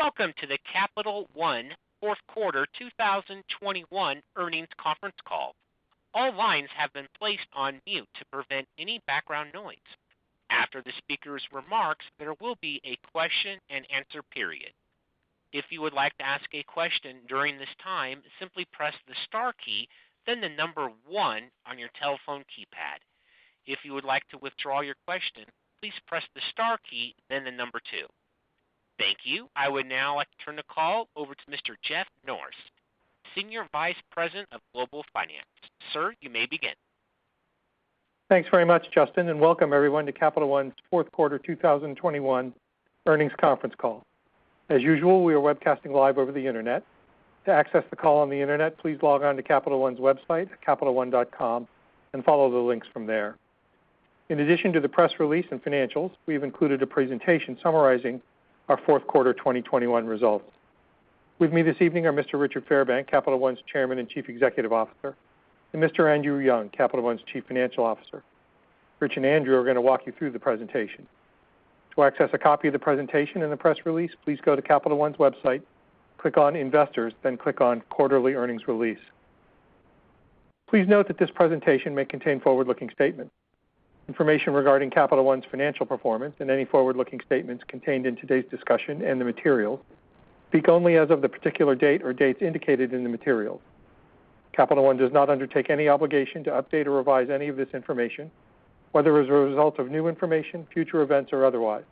Welcome to the Capital One Q4 2021 earnings conference call. All lines have been placed on mute to prevent any background noise. After the speaker's remarks, there will be a question-and-answer period. If you would like to ask a question during this time, simply press the star key, then the number 1 on your telephone keypad. If you would like to withdraw your question, please press the star key then the number 2. Thank you. I would now like to turn the call over to Mr. Jeff Norris, Senior Vice President of Global Finance. Sir, you may begin. Thanks very much, Justin, and welcome everyone to Capital One's Q4 2021 earnings conference call. As usual, we are webcasting live over the internet. To access the call on the internet, please log on to Capital One's website at capitalone.com and follow the links from there. In addition to the press release and financials, we've included a presentation summarizing our Q4 2021 results. With me this evening are Mr. Richard Fairbank, Capital One's Chairman and Chief Executive Officer, and Mr. Andrew Young, Capital One's Chief Financial Officer. Rich and Andrew are gonna walk you through the presentation. To access a copy of the presentation and the press release, please go to Capital One's website, click on Investors, then click on Quarterly Earnings Release. Please note that this presentation may contain forward-looking statements. Information regarding Capital One's financial performance and any forward-looking statements contained in today's discussion and the materials speak only as of the particular date or dates indicated in the materials. Capital One does not undertake any obligation to update or revise any of this information, whether as a result of new information, future events, or otherwise.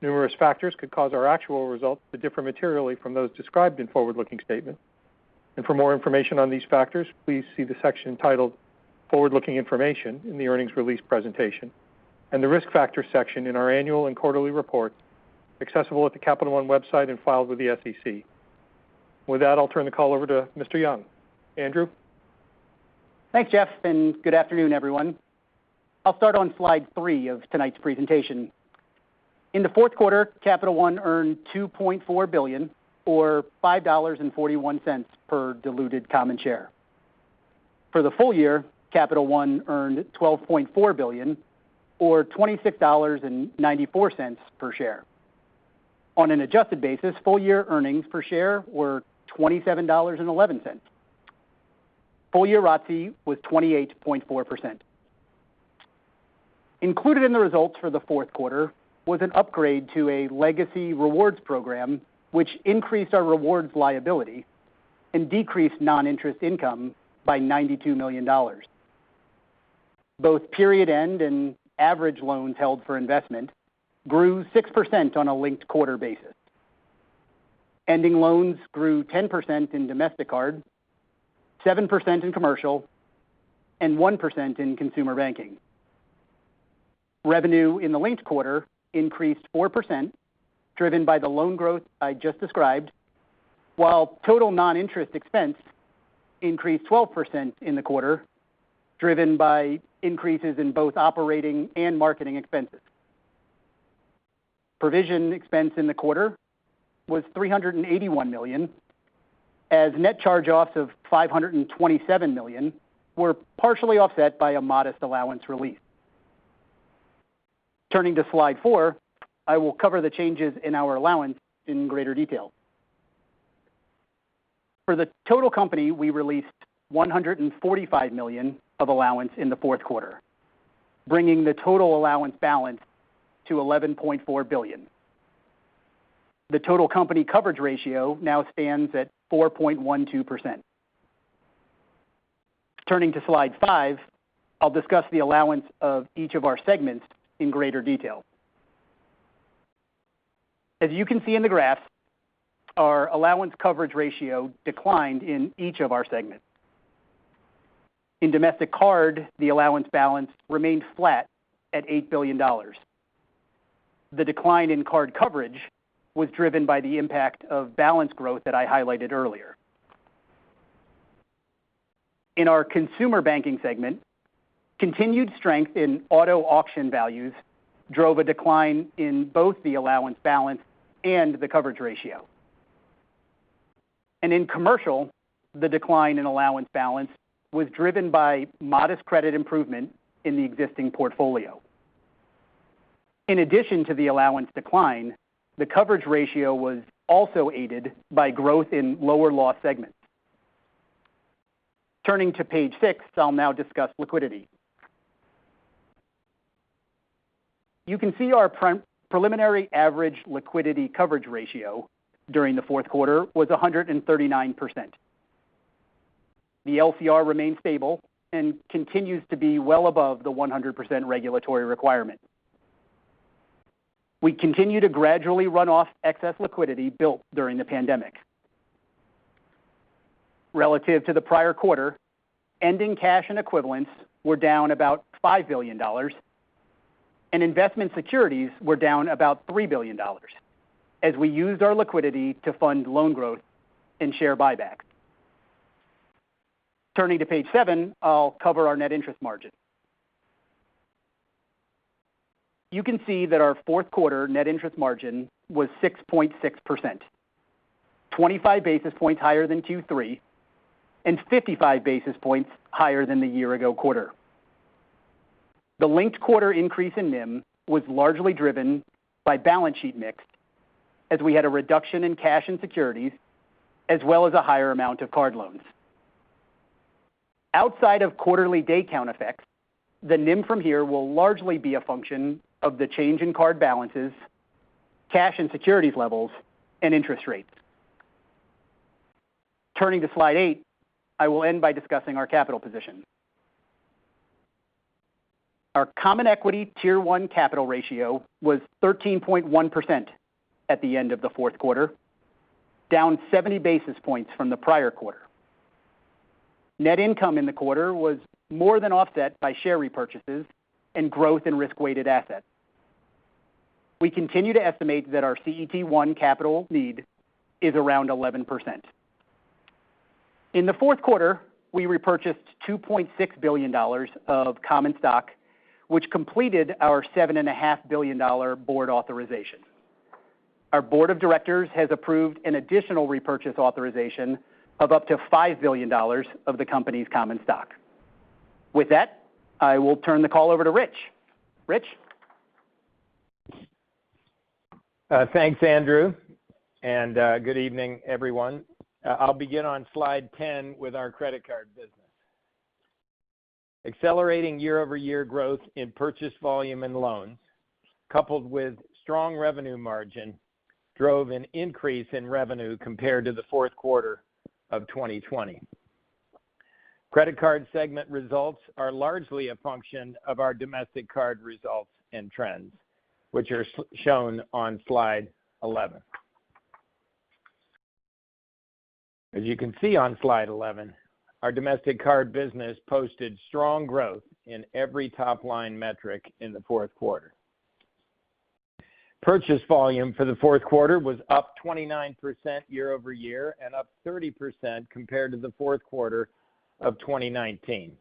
Numerous factors could cause our actual results to differ materially from those described in forward-looking statements. For more information on these factors, please see the section titled Forward-Looking Information in the earnings release presentation and the Risk Factors section in our annual and quarterly reports accessible at capitalone.com and filed with the SEC. With that, I'll turn the call over to Mr. Young. Andrew? Thanks, Jeff, and good afternoon, everyone. I'll start on slide 3 of tonight's presentation. In Q4, Capital One earned $2.4 billion or $5.41 per diluted common share. For the full year, Capital One earned $12.4 billion or $26.94 per share. On an adjusted basis, full-year earnings per share were $27.11. Full-year ROTCE was 28.4%. Included in the results for Q4 was an upgrade to a legacy rewards program, which increased our rewards liability and decreased non-interest income by $92 million. Both period-end and average loans held for investment grew 6% on a linked-quarter basis. Ending loans grew 10% in domestic card, 7% in commercial, and 1% in consumer banking. Revenue in the linked quarter increased 4%, driven by the loan growth I just described, while total non-interest expense increased 12% in the quarter, driven by increases in both operating and marketing expenses. Provision expense in the quarter was $381 million, as net charge-offs of $527 million were partially offset by a modest allowance release. Turning to slide four, I will cover the changes in our allowance in greater detail. For the total company, we released $145 million of allowance in Q4, bringing the total allowance balance to $11.4 billion. The total company coverage ratio now stands at 4.12%. Turning to slide 5, I'll discuss the allowance of each of our segments in greater detail. As you can see in the graph, our allowance coverage ratio declined in each of our segments. In the Domestic Card, the allowance balance remained flat at $8 billion. The decline in card coverage was driven by the impact of balance growth that I highlighted earlier. In our Consumer Banking segment, continued strength in auto auction values drove a decline in both the allowance balance and the coverage ratio. In Commercial, the decline in allowance balance was driven by modest credit improvement in the existing portfolio. In addition to the allowance decline, the coverage ratio was also aided by growth in lower loss segments. Turning to page six, I'll now discuss liquidity. You can see our preliminary average liquidity coverage ratio during Q4 was 139%. The LCR remains stable and continues to be well above the 100% regulatory requirement. We continue to gradually run off excess liquidity built during the pandemic. Relative to the prior quarter, ending cash and equivalents were down about $5 billion, and investment securities were down about $3 billion as we used our liquidity to fund loan growth and share buybacks. Turning to page 7, I'll cover our net interest margin. You can see that our Q4 net interest margin was 6.6%, 25 basis points higher than Q3 and 55 basis points higher than the year-ago quarter. The linked quarter increase in NIM was largely driven by balance sheet mix, as we had a reduction in cash and securities, as well as a higher amount of card loans. Outside of quarterly day count effects, the NIM from here will largely be a function of the change in card balances, cash and securities levels, and interest rates. Turning to slide 8, I will end by discussing our capital position. Our common equity tier-one capital ratio was 13.1% at the end of Q4, down 70 basis points from the prior quarter. Net income in the quarter was more than offset by share repurchases and growth in risk-weighted assets. We continue to estimate that our CET1 capital need is around 11%. In Q4, we repurchased $2.6 billion of common stock, which completed our $7.5 billion board authorization. Our board of directors has approved an additional repurchase authorization of up to $5 billion of the company's common stock. With that, I will turn the call over to Rich. Rich? Thanks, Andrew, and good evening, everyone. I'll begin on slide 10 with our credit card business. Accelerating year-over-year growth in purchase volume and loans, coupled with strong revenue margin, drove an increase in revenue compared to Q4 of 2020. Credit card segment results are largely a function of our domestic card results and trends, which are shown on slide 11. As you can see on slide 11, our domestic card business posted strong growth in every top-line metric in Q4. Purchase volume for the Q4 was up 29% year over year and up 30% compared to the Q4 of 2019.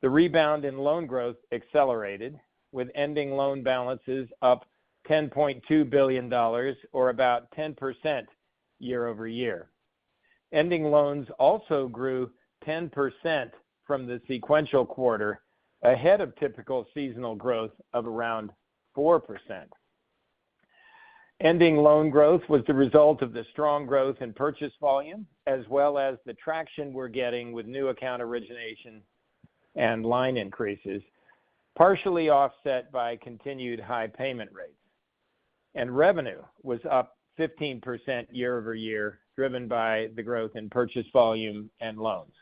The rebound in loan growth accelerated, with ending loan balances up $10.2 billion or about 10% year over year. Ending loans also grew 10% from the sequential quarter, ahead of typical seasonal growth of around 4%. Ending loan growth was the result of the strong growth in purchase volume as well as the traction we're getting with new account origination and line increases, partially offset by continued high payment rates. Revenue was up 15% year over year, driven by the growth in purchase volume and loans.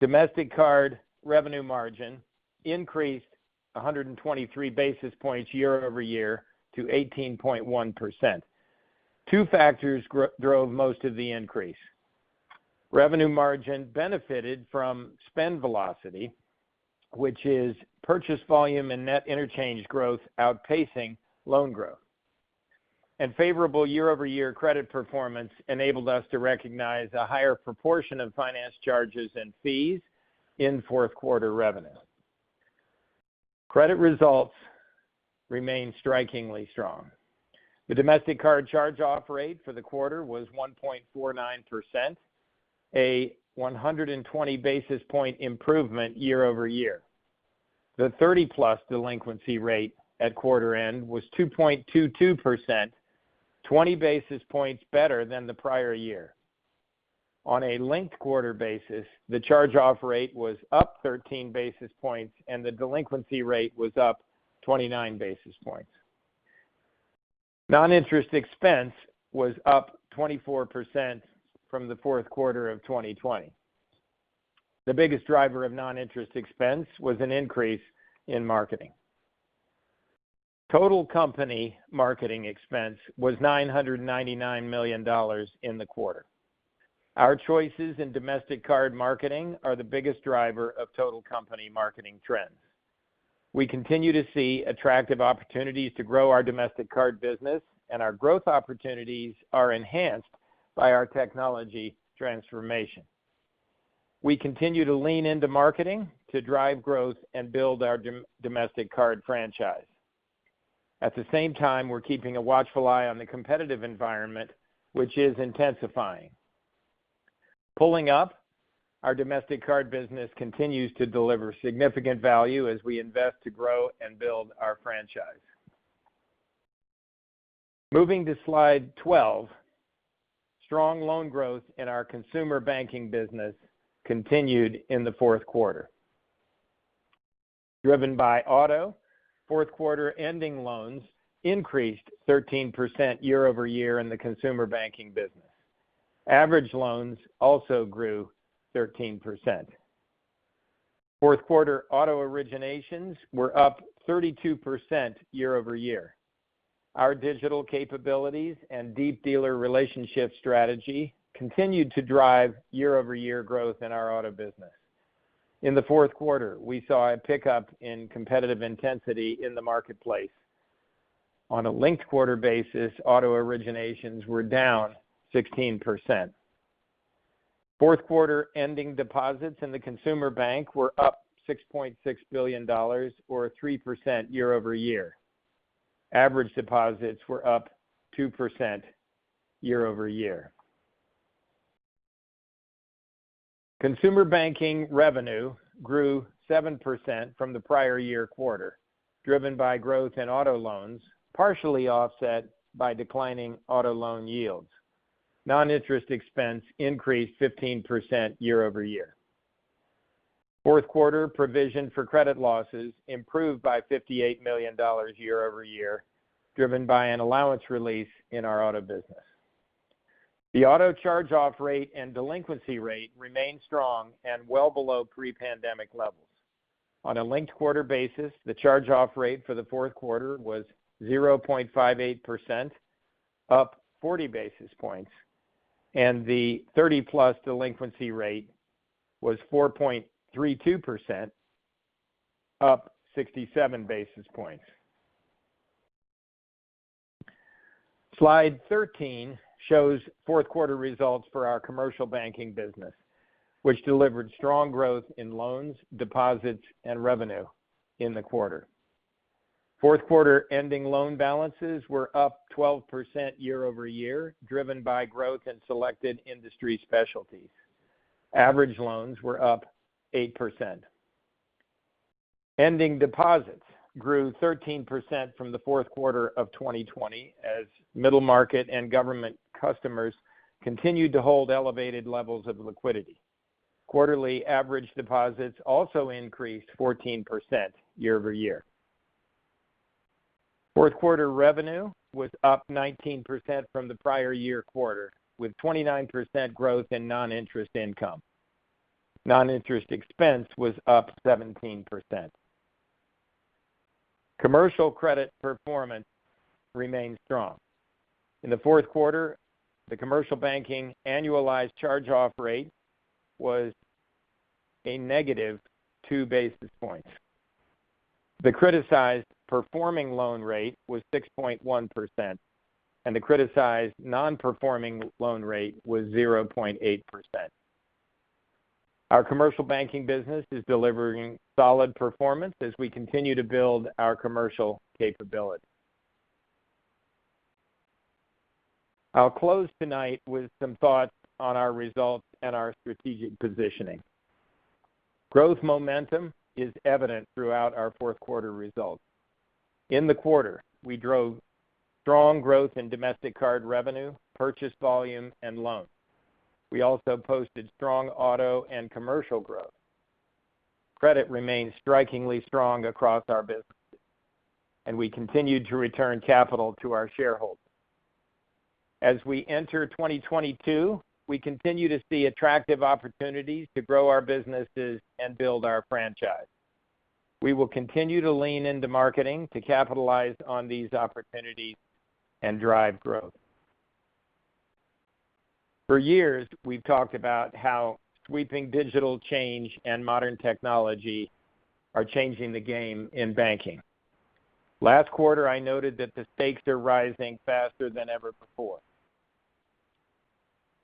Domestic card revenue margin increased 123 basis points year over year to 18.1%. Two factors drove most of the increase. Revenue margin benefited from spend velocity, which is purchase volume and net interchange growth outpacing loan growth. Favorable year-over-year credit performance enabled us to recognize a higher proportion of finance charges and fees in Q4 revenue. Credit results remain strikingly strong. The domestic card charge-off rate for the quarter was 1.49%, a 120 basis point improvement year over year. The +30 delinquency rate at quarter end was 2.22%, 20 basis points better than the prior year. On a linked-quarter basis, the charge-off rate was up 13 basis points, and the delinquency rate was up 29 basis points. Non-interest expense was up 24% from Q4 of 2020. The biggest driver of non-interest expense was an increase in marketing. Total company marketing expense was $999 million in the quarter. Our choices in domestic card marketing are the biggest driver of total company marketing trends. We continue to see attractive opportunities to grow our domestic card business, and our growth opportunities are enhanced by our technology transformation. We continue to lean into marketing to drive growth and build our domestic card franchise. At the same time, we're keeping a watchful eye on the competitive environment, which is intensifying. Pulling up, our domestic card business continues to deliver significant value as we invest to grow and build our franchise. Moving to slide 12. Strong loan growth in our consumer banking business continued in Q4. Driven by auto, Q4 ending loans increased 13% year-over-year in the consumer banking business. Average loans also grew 13%. Q4 auto originations were up 32% year-over-year. Our digital capabilities and deep dealer relationship strategy continued to drive year-over-year growth in our auto business. In Q4, we saw a pickup in competitive intensity in the marketplace. On a linked-quarter basis, auto originations were down 16%. Q4 ending deposits in the Consumer Bank were up $6.6 billion or 3% year-over-year. Average deposits were up 2% year-over-year. Consumer Banking revenue grew 7% from the prior-year quarter, driven by growth in auto loans, partially offset by declining auto loan yields. Non-interest expense increased 15% year-over-year. In Q4, provision for credit losses improved by $58 million year-over-year, driven by an allowance release in our auto business. The auto charge-off rate and delinquency rate remained strong and well below pre-pandemic levels. On a linked-quarter basis, the charge-off rate for the Q4 was 0.58%, up 40 basis points, and the +30 delinquency rate was 4.32%, up 67 basis points. Slide 13 shows Q4 results for our Commercial Banking business, which delivered strong growth in loans, deposits, and revenue in the quarter. Q4 ending loan balances were up 12% year-over-year, driven by growth in selected industry specialties. Average loans were up 8%. Ending deposits grew 13% from the Q4 of 2020 as middle market and government customers continued to hold elevated levels of liquidity. Quarterly average deposits also increased 14% year-over-year. Q4 revenue was up 19% from the prior year quarter, with 29% growth in non-interest income. Non-interest expense was up 17%. Commercial credit performance remained strong. In Q4, the commercial banking annualized charge-off rate was a negative 2 basis points. The criticized performing loan rate was 6.1%, and the criticized non-performing loan rate was 0.8%. Our commercial banking business is delivering solid performance as we continue to build our commercial capability. I'll close tonight with some thoughts on our results and our strategic positioning. Growth momentum is evident throughout our Q4 results. In the quarter, we drove strong growth in domestic card revenue, purchase volume, and loans. We also posted strong auto and commercial growth. Credit remains strikingly strong across our businesses, and we continued to return capital to our shareholders. As we enter 2022, we continue to see attractive opportunities to grow our businesses and build our franchise. We will continue to lean into marketing to capitalize on these opportunities and drive growth. For years, we've talked about how sweeping digital change and modern technology are changing the game in banking. Last quarter, I noted that the stakes are rising faster than ever before.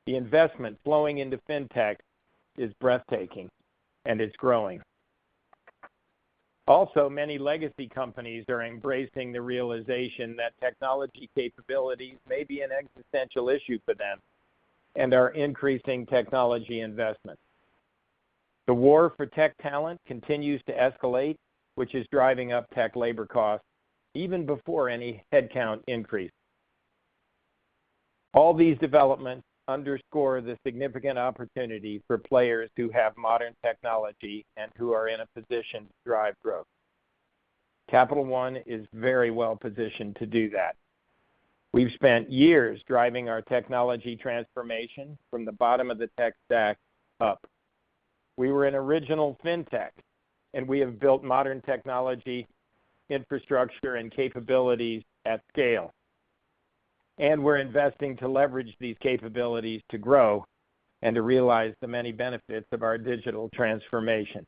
The investment flowing into fintech is breathtaking, and it's growing. Also, many legacy companies are embracing the realization that technology capabilities may be an existential issue for them and are increasing technology investments. The war for tech talent continues to escalate, which is driving up tech labor costs even before any headcount increases. All these developments underscore the significant opportunity for players who have modern technology and who are in a position to drive growth. Capital One is very well-positioned to do that. We've spent years driving our technology transformation from the bottom of the tech stack up. We were an original fintech, and we have built modern technology infrastructure and capabilities at scale. We're investing to leverage these capabilities to grow and to realize the many benefits of our digital transformation.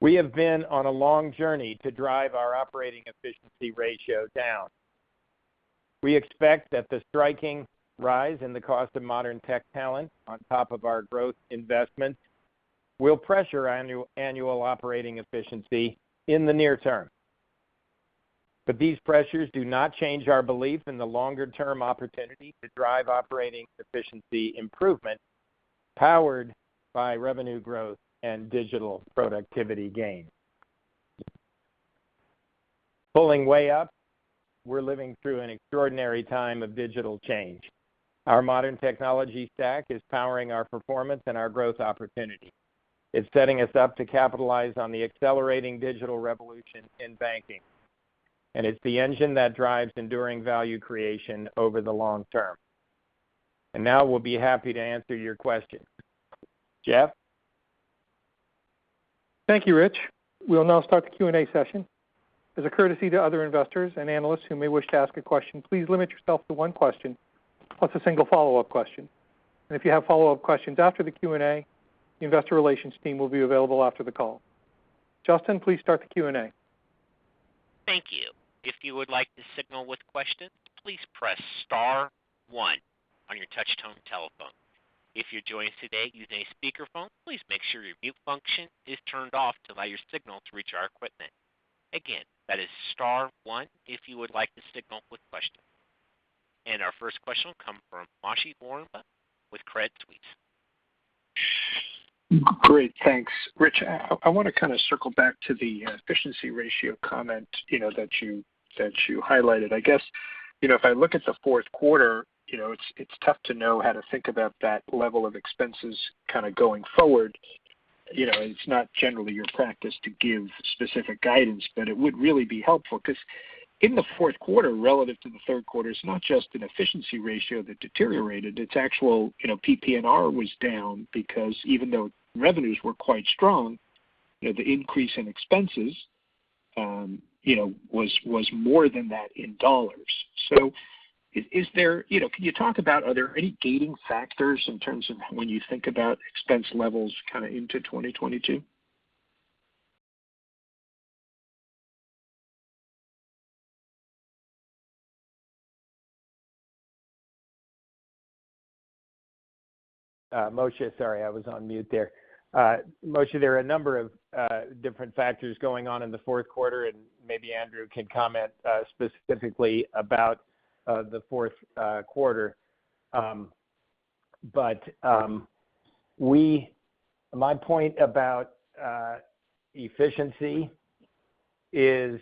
We have been on a long journey to drive our operating efficiency ratio down. We expect that the striking rise in the cost of modern tech talent on top of our growth investment will pressure annual operating efficiency in the near term. These pressures do not change our belief in the longer-term opportunity to drive operating efficiency improvement powered by revenue growth and digital productivity gains. Pulling way up, we're living through an extraordinary time of digital change. Our modern technology stack is powering our performance and our growth opportunity. It's setting us up to capitalize on the accelerating digital revolution in banking. And it's the engine that drives enduring value creation over the long term. Now we'll be happy to answer your questions. Jeff? Thank you, Rich. We'll now start the Q&A session. As a courtesy to other investors and analysts who may wish to ask a question, please limit yourself to one question, plus a single follow-up question. If you have follow-up questions after the Q&A, the investor relations team will be available after the call. Justin, please start the Q&A. Thank you. Our first question will come from Moshe Orenbuch with Credit Suisse. Great, thanks. Rich, I want to kind of circle back to the efficiency ratio comment, that you highlighted. I guess, if I look at the Q4, it's tough to know how to think about that level of expenses kind of going forward. it's not generally your practice to give specific guidance, but it would really be helpful because in Q4 relative to the third quarter, it's not just an efficiency ratio that deteriorated. It's actual, PPNR was down because even though revenues were quite strong, the increase in expenses, was more than that in dollars. Can you talk about, are there any gating factors in terms of when you think about expense levels kind of into 2022? Moshe, sorry, I was on mute there. Moshe, there are a number of different factors going on in the Q4, and maybe Andrew can comment specifically about the Q4. My point about efficiency is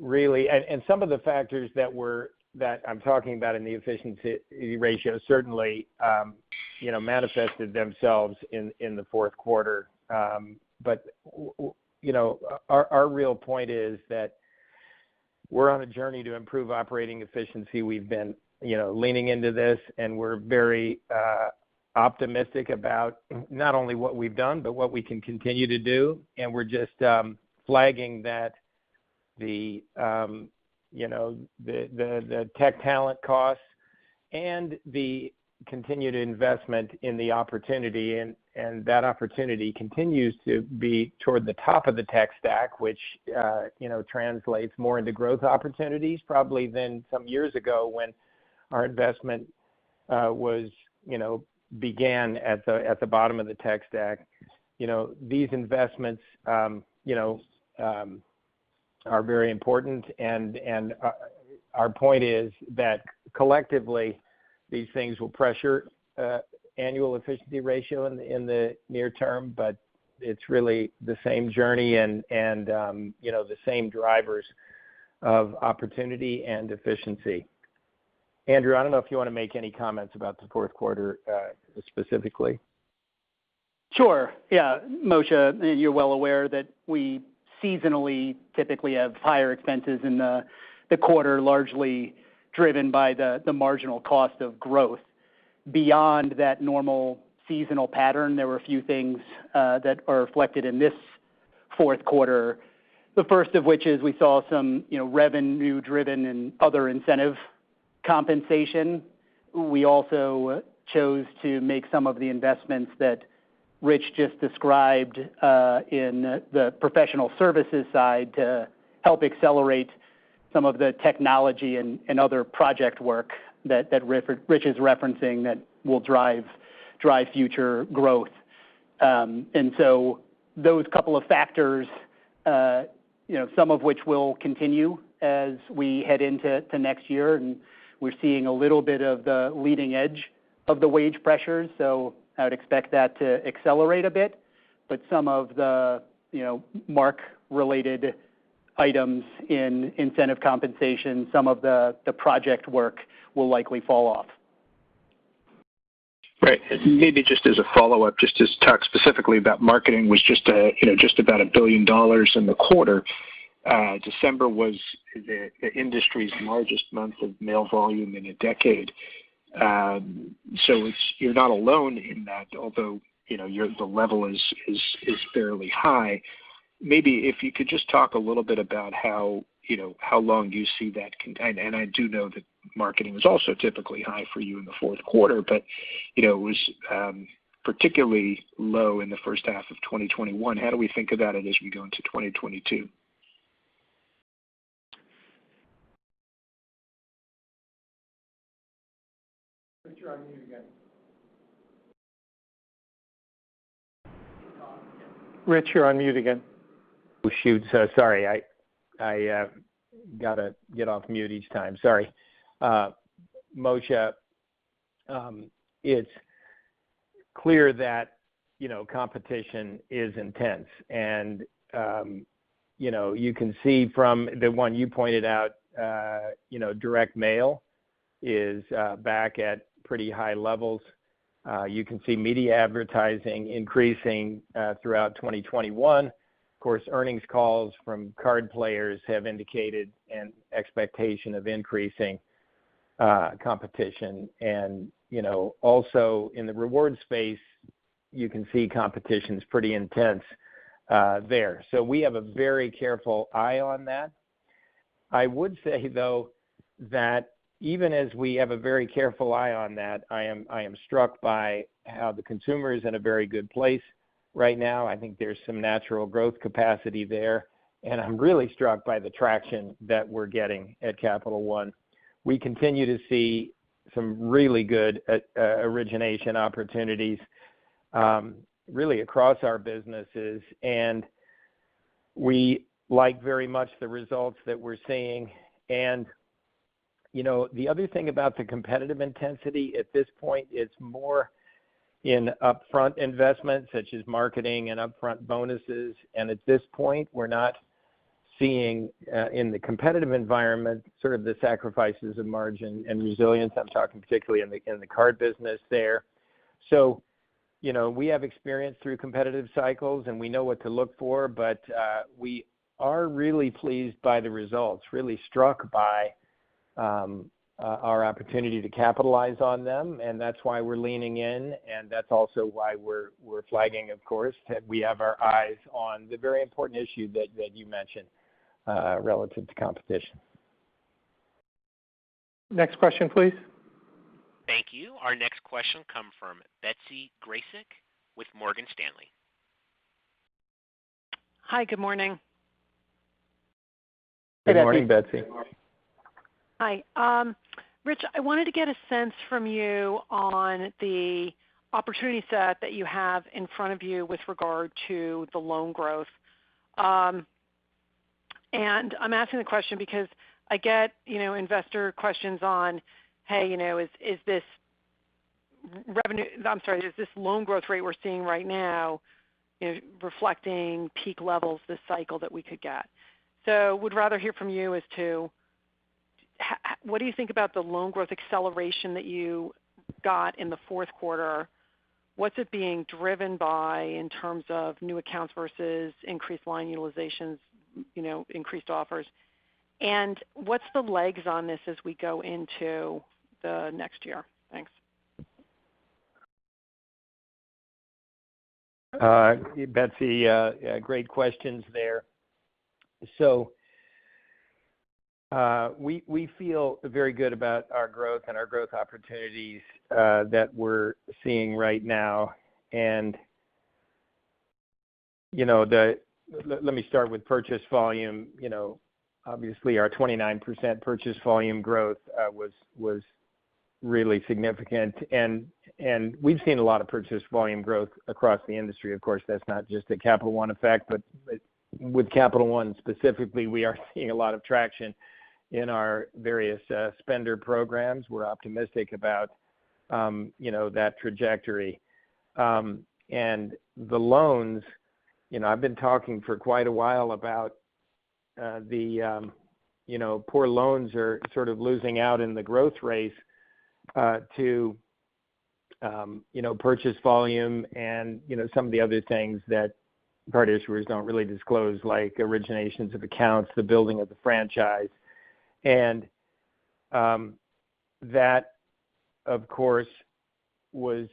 really, and some of the factors that I'm talking about in the efficiency ratio certainly manifested themselves in Q4. Our real point is that we're on a journey to improve operating efficiency. We've been leaning into this, and we're very optimistic about not only what we've done but what we can continue to do. We're just flagging that the tech talent costs and the continued investment in the opportunity, and that opportunity continues to be toward the top of the tech stack, which translates more into growth opportunities, probably than some years ago when our investment was began at the bottom of the tech stack. These investments are very important. Our point is that collectively these things will pressure the annual efficiency ratio in the near term, but it's really the same journey and the same drivers of opportunity and efficiency. Andrew, I don't know if you want to make any comments about Q4 specifically. Sure. Moshe, you're well aware that we seasonally typically have higher expenses in the quarter, largely driven by the marginal cost of growth. Beyond that normal seasonal pattern, there were a few things that were reflected in this Q4. The first of which is we saw some, revenue-driven and other incentive compensation. We also chose to make some of the investments that Rich just described in the professional services side to help accelerate some of the technology and other project work that Rich is referencing that will drive future growth. Those couple of factors, some of which will continue as we head into next year, and we're seeing a little bit of the leading edge of the wage pressures. I would expect that to accelerate a bit. me of the mark-related items in incentive compensation and the project work will likely fall off. Maybe just as a follow-up, just to talk specifically about marketing was just about $1 billion in the quarter. December was the industry's largest month of mail volume in a decade. it's. You're not alone in that, although your level is fairly high. I do know that marketing was also typically high for you in Q4. It was particularly low in the first half of 2021. How do we think about it as we go into 2022? Rich, you're on mute again. Sorry. I got to get off mute each time. Sorry. Moshe, it's clear that competition is intense. You can see from the one you pointed out direct that mail is back at pretty high levels. You can see media advertising increasing throughout 2021. Of course, earnings calls from card players have indicated an expectation of increasing competition. Also in the reward space, you can see competition's pretty intense there. We have a very careful eye on that. I would say, though, that even as we have a very careful eye on that, I am struck by how the consumer is in a very good place right now. I think there's some natural growth capacity there, and I'm really struck by the traction that we're getting at Capital One. We continue to see some really good origination opportunities. Really across our businesses. We like very much the results that we're seeing. The other thing about the competitive intensity at this point, it's more in upfront investment, such as marketing and upfront bonuses. At this point, we're not seeing in the competitive environment sort of the sacrifices of margin and resilience. I'm talking particularly in the card business there. we have experience through competitive cycles, and we know what to look for, but we are really pleased by the results, really struck by our opportunity to capitalize on them, and that's why we're leaning in. That's also why we're flagging, of course, that we have our eyes on the very important issue that you mentioned relative to competition. Next question, please. Thank you. Our next question comes from Betsy Graseck with Morgan Stanley. Hi, good morning. Good morning, Betsy. Good morning. Hi. Rich, I wanted to get a sense from you on the opportunity set that you have in front of you with regard to the loan growth. I'm asking the question because I get, investor questions on, hey, is this loan growth rate we're seeing right now reflecting peak levels this cycle that we could get? Would rather hear from you as to what do you think about the loan growth acceleration that you got in Q4? What's it being driven by in terms of new accounts versus increased line utilizations, increased offers? What's the legs on this as we go into the next year? Thanks. Betsy, great questions there. We feel very good about our growth and our growth opportunities that we're seeing right now. let me start with purchase volume. obviously, our 29% purchase volume growth was really significant. We've seen a lot of purchase volume growth across the industry. Of course, that's not just a Capital One effect, but with Capital One specifically, we are seeing a lot of traction in our various spender programs. We're optimistic about that trajectory. The loans, I've been talking for quite a while about the poor loans are sort of losing out in the growth race, to purchase volume and some of the other things that card issuers don't really disclose like originations of accounts the building of the franchise. That of course was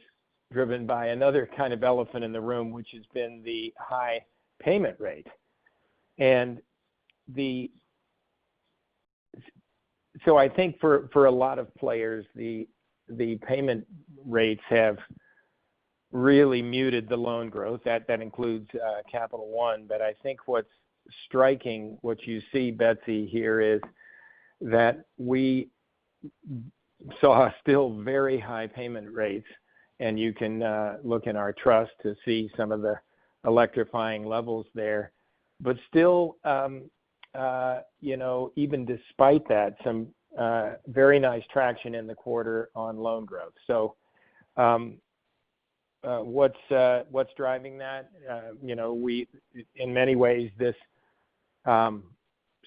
driven by another kind of elephant in the room which has been the high payment rate. I think for a lot of players the payment rates have really muted the loan growth. That includes Capital One. But I think what's striking what you see Betsy here is that we saw still very high payment rates and you can look in our trust to see some of the electrifying levels there. Despite that, some very nice traction in the quarter on loan growth. What's driving that? In many ways, this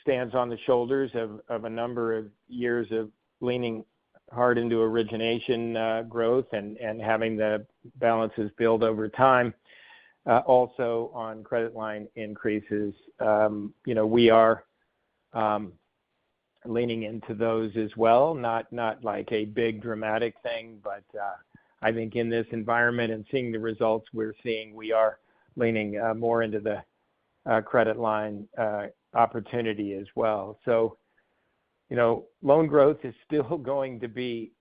stands on the shoulders of a number of years of leaning hard into origination growth and having the balances build over time. Also, on credit line increases, we are leaning into those as well, not like a big dramatic thing. I think in this environment and seeing the results we're seeing, we are leaning more into the credit line opportunity as well. Loan growth is still going to be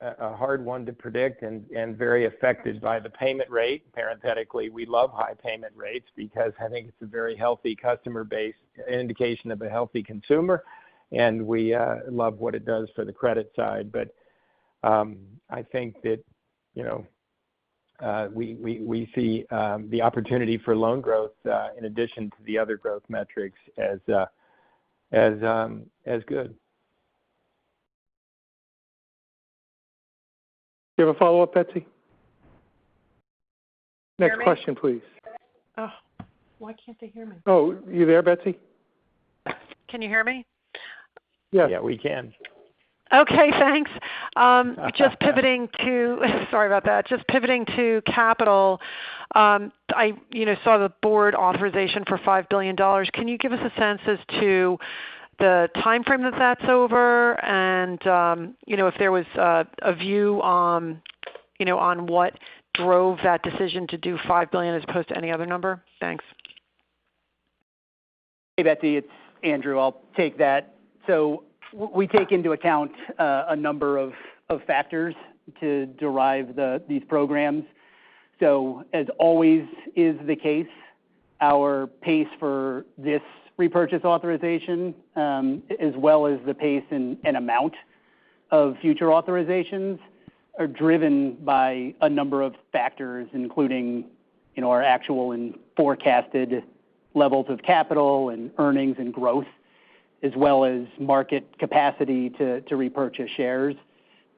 a hard one to predict and will be very affected by the payment rate. Parenthetically, we love high payment rates because I think it's a very healthy customer base, an indication of a healthy consumer, and we love what it does for the credit side. I think that we see the opportunity for loan growth in addition to the other growth metrics as good. Do you have a follow-up, Betsy? Next question, please. Ugh, why can't they hear me? Oh, you there, Betsy? Can you hear me? Yes. We can. Okay, thanks. Just pivoting to capital, I saw the board authorization for $5 billion. Can you give us a sense as to the timeframe that that's over? If there was a view on what drove that decision to do $5 billion as opposed to any other number? Thanks. Hey, Betsy, it's Andrew. I'll take that. We take into account a number of factors to derive these programs. As is always the case, our pace for this repurchase authorization, as well as the pace and amount Our future authorizations are driven by a number of factors, including our actual and forecasted levels of capital and earnings and growth, as well as market capacity to repurchase shares.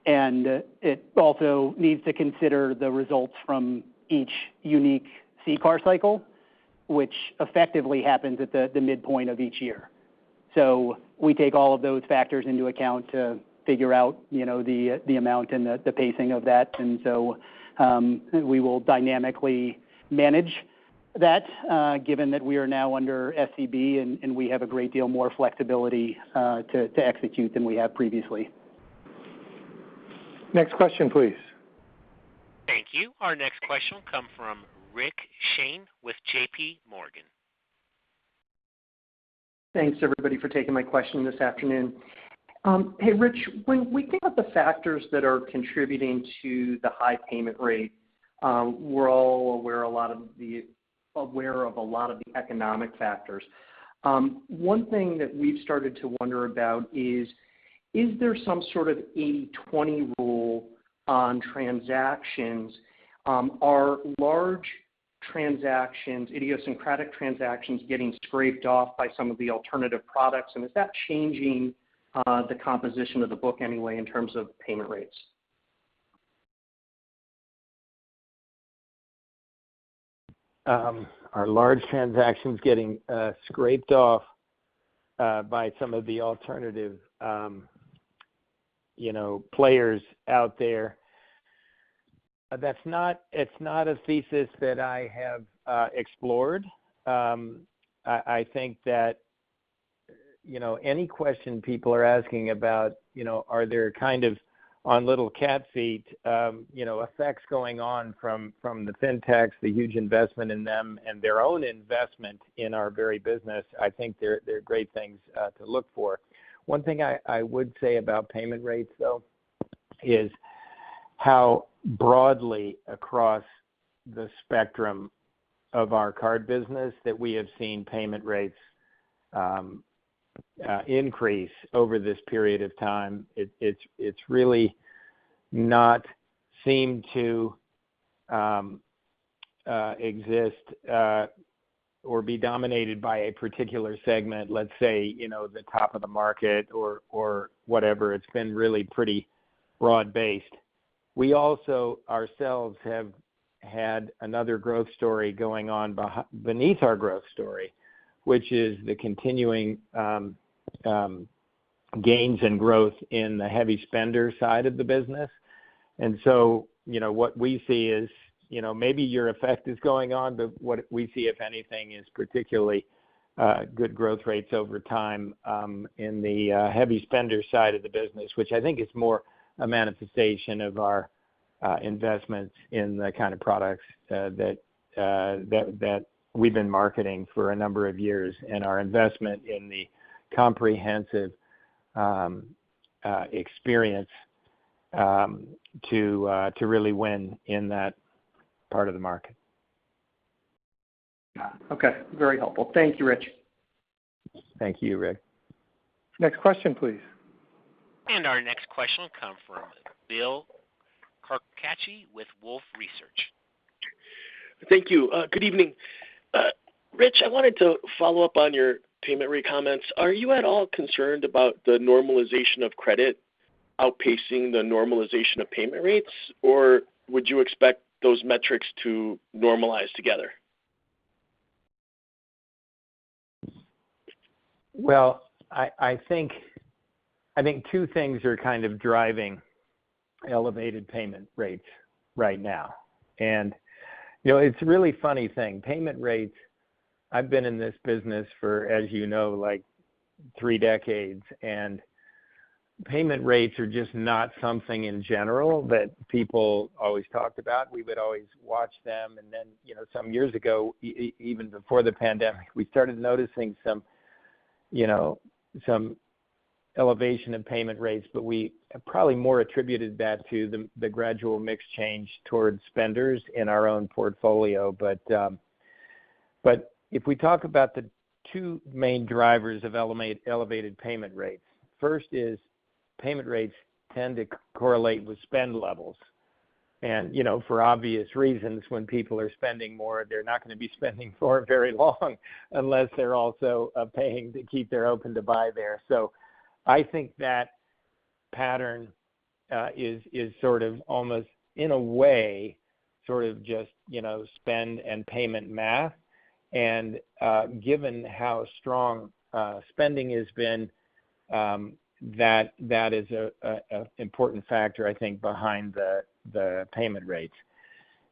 It also needs to consider the results from each unique CCAR cycle, which effectively happens at the midpoint of each year. We take all of those factors into account to figure out the amount and the pacing of that. We will dynamically manage that, given that we are now under SCB and we have a great deal more flexibility to execute than we have previously. Next question, please. Thank you. Our next question will come from Rick Shane with J.P. Morgan. Thanks, everybody, for taking my question this afternoon. Hey, Rich, when we think about the factors that are contributing to the high payment rate, we're all aware of a lot of the economic factors. One thing that we've started to wonder about is there some sort of 80/20 rule on transactions? Are large transactions, idiosyncratic transactions, getting scraped off by some of the alternative products? Is that changing the composition of the book anyway in terms of payment rates? Are large transactions getting scraped off by some of the alternative, players out there? It's not a thesis that I have explored. I think that, any question people are asking about are there kind of on little cat feet, effects going on from the Fintechs, the huge investment in them and their own investment in our very business, I think they're great things to look for. One thing I would say about payment rates, though, is how broadly across the spectrum of our card business that we have seen payment rates increase over this period of time. It really does not seem to exist or be dominated by a particular segment, let's say, the top of the market or whatever. It's been really pretty broad-based. We also have had another growth story going on beneath our growth story, which is the continuing gains and growth in the heavy spender side of the business. What we see is, maybe your effect is going on, but what we see, if anything, is particularly good growth rates over time in the heavy spender side of the business, which I think is more a manifestation of our investments in the kind of products that we've been marketing for a number of years and our investment in the comprehensive experience to really win in that part of the market. Okay. Very helpful. Thank you, Rich. Thank you, Rick. Next question, please. Our next question will come from Bill Carcache with Wolfe Research. Thank you. Good evening. Rich, I wanted to follow up on your payment rate comments. Are you at all concerned about the normalization of credit outpacing the normalization of payment rates, or would you expect those metrics to normalize together? Well, I think two things are kind of driving elevated payment rates right now. it's a really funny thing. Payment rates, I've been in this business for, as like three decades, and payment rates are just not something in general that people always talked about. We would always watch them. some years ago, even before the pandemic, we started noticing some elevation in payment rates, but we probably more attributed that to the gradual mix change towards spenders in our own portfolio. If we talk about the two main drivers of elevated payment rates, first is payment rates tend to correlate with spend levels. for obvious reasons, when people are spending more, they're not gonna be spending for very long unless they're also paying to keep their open to buy there. I think that pattern is sort of almost, in a way, sort of just, spend and payment math. Given how strong spending has been, that is a important factor, I think, behind the payment rates.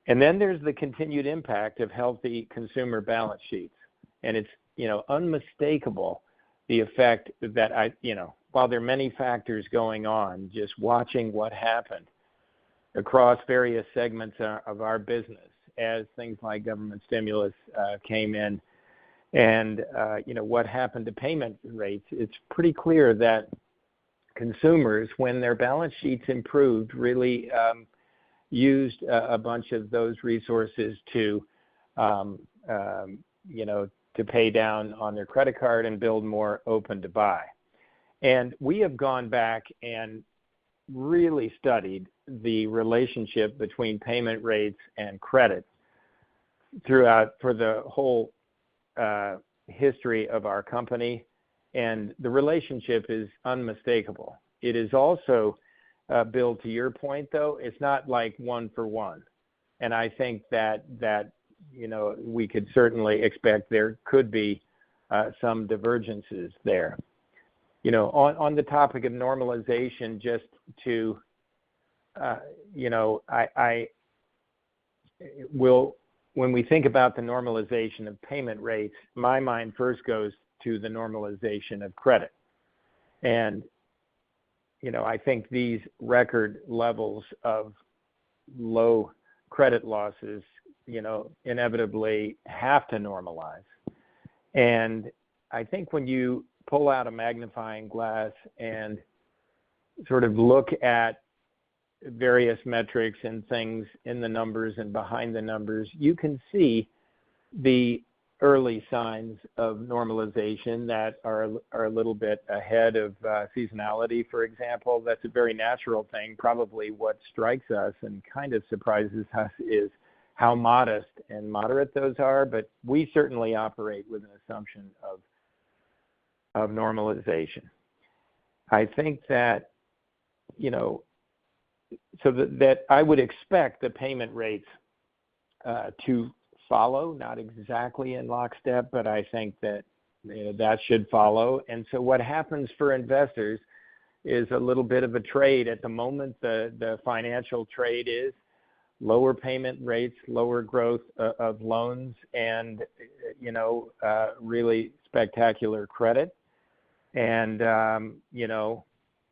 Then there's the continued impact of healthy consumer balance sheets. It's, unmistakable the effect that I. while there are many factors going on, just watching what happened across various segments of our business as things like government stimulus came in and, what happened to payment rates, it's pretty clear that consumers, when their balance sheets improved, really used a bunch of those resources to pay down on their credit cards and build more open to buy. We have gone back and really studied the relationship between payment rates and credit throughout for the whole history of our company, and the relationship is unmistakable. It is also, Bill, to your point, though, it's not like one for one. I think that, we could certainly expect there could be some divergences there. On the topic of normalization, just to, I... When we think about the normalization of payment rates, my mind first goes to the normalization of credit. I think these record levels of low credit losses, inevitably have to normalize. I think when you pull out a magnifying glass and sort of look at various metrics and things in the numbers and behind the numbers, you can see the early signs of normalization that are a little bit ahead of seasonality, for example. That's a very natural thing. Probably what strikes us and kind of surprises us is how modest and moderate those are. We certainly operate with an assumption of normalization. I think that that I would expect the payment rates to follow, not exactly in lockstep, but I think that that should follow. What happens for investors is a little bit of a trade. At the moment, the financial trade is lower payment rates, lower growth of loans and, really spectacular credit.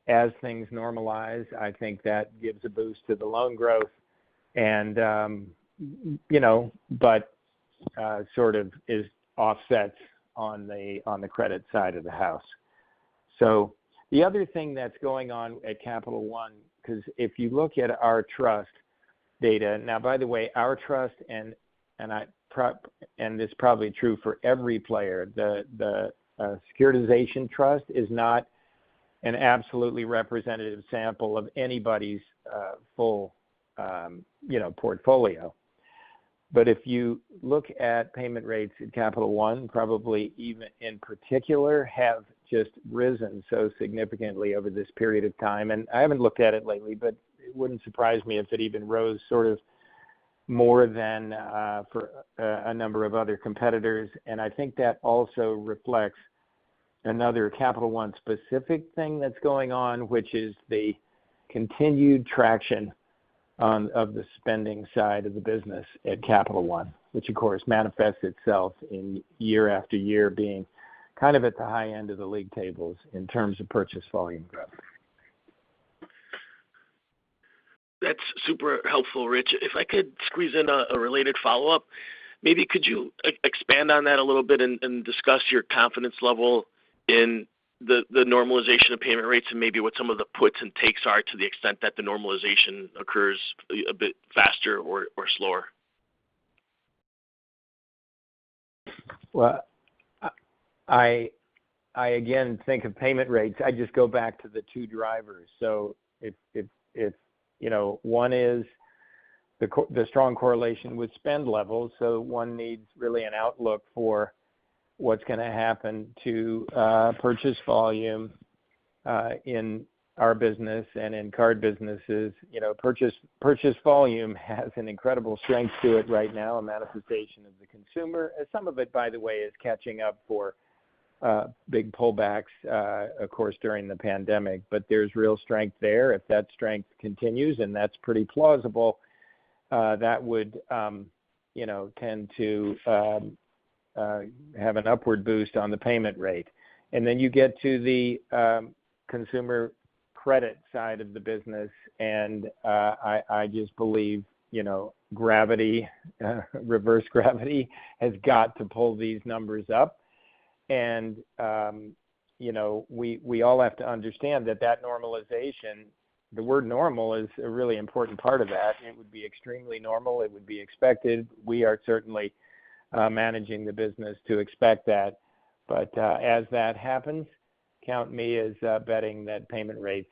as things normalize, I think that gives a boost to the loan growth and, but sort of is offsets on the, on the credit side of the house. The other thing that's going on at Capital One, 'cause if you look at our trust data. By the way, our trust, and this is probably true for every player, the securitization trust is not an absolutely representative sample of anybody's full, portfolio. But if you look at payment rates at Capital One, probably even in particular, have just risen so significantly over this period of time. I haven't looked at it lately, but it wouldn't surprise me if it even rose sort of more than for a number of other competitors. I think that also reflects another Capital One specific thing that's going on, which is the continued traction of the spending side of the business at Capital One, which, of course, manifests itself in year after year being kind of at the high end of the league tables in terms of purchase volume growth. That's super helpful, Rich. If I could squeeze in a related follow-up, maybe could you expand on that a little bit and discuss your confidence level in the normalization of payment rates and maybe what some of the puts and takes are to the extent that the normalization occurs a bit faster or slower? Well, I again think of payment rates. I just go back to the two drivers. It's one is the strong correlation with spending levels. One really needs an outlook for what's gonna happen to purchase volume in our business and in card business. Purchase volume has an incredible strength to it right now, a manifestation of the consumer. me of it, by the way, is catching up for big pullbacks of course, during the pandemic. There's real strength there. If that strength continues, and that's pretty plausible, that would tend to have an upward boost on the payment rate. Then you get to the consumer credit side of the business, and I just believe, gravity, reverse gravity has got to pull these numbers up. we all have to understand that normalization, the word normal is a really important part of that. It would be extremely normal. It would be expected. We are certainly managing the business to expect that. As that happens, count me as betting that payment rates,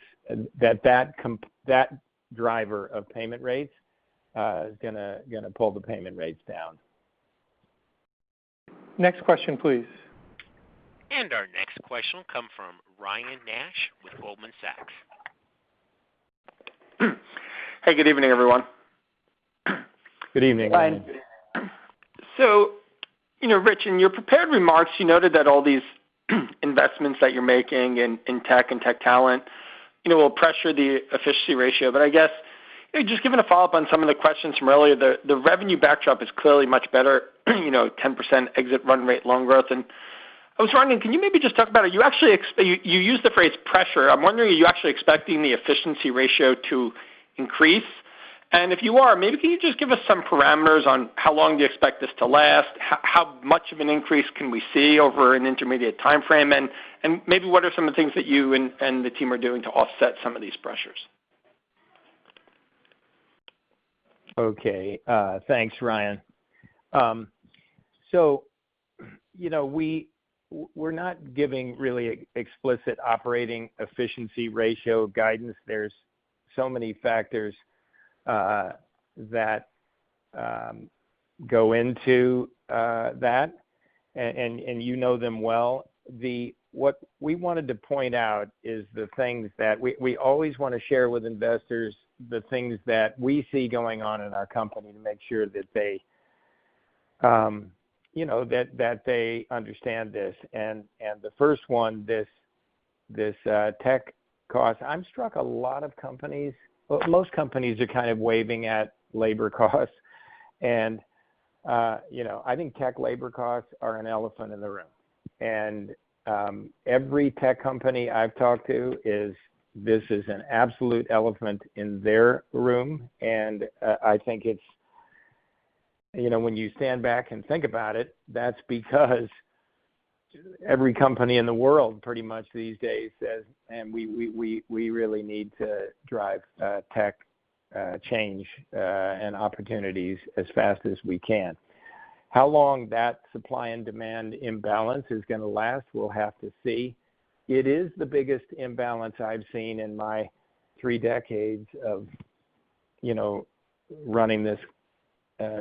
that driver of payment rates, is gonna pull the payment rates down. Next question, please. Our next question will come from Ryan Nash with Goldman Sachs. Hey, good evening, everyone. Good evening, Ryan. Ryan. Rich, in your prepared remarks, you noted that all these investments that you're making in tech and tech talent will pressure the efficiency ratio. I guess, just giving a follow-up on some of the questions from earlier, the revenue backdrop is clearly much better, 10% exit run rate, loan growth. I was wondering, can you maybe just talk about it? You used the phrase pressure. I'm wondering, are you actually expecting the efficiency ratio to increase? If you are, maybe can you just give us some parameters on how long do you expect this to last, how much of an increase can we see over an intermediate timeframe, and maybe what are some of the things that you and the team are doing to offset some of these pressures? Okay. Thanks, Ryan. we're not giving really explicit operating efficiency ratio guidance. There's so many factors that go into that, and them well. What we wanted to point out is the things that we always wanna share with investors, the things that we see going on in our company to make sure that they, that they understand this. The first one, this tech cost. I'm struck a lot of companies. Well, most companies are kind of waving at labor costs. I think tech labor costs are an elephant in the room. Every tech company I've talked to says this is an absolute elephant in their room. I think it's when you stand back and think about it, that's because every company in the world pretty much these days, says, "we really need to drive tech change and opportunities as fast as we can." How long that supply and demand imbalance is gonna last, we'll have to see. It is the biggest imbalance I've seen in my three decades of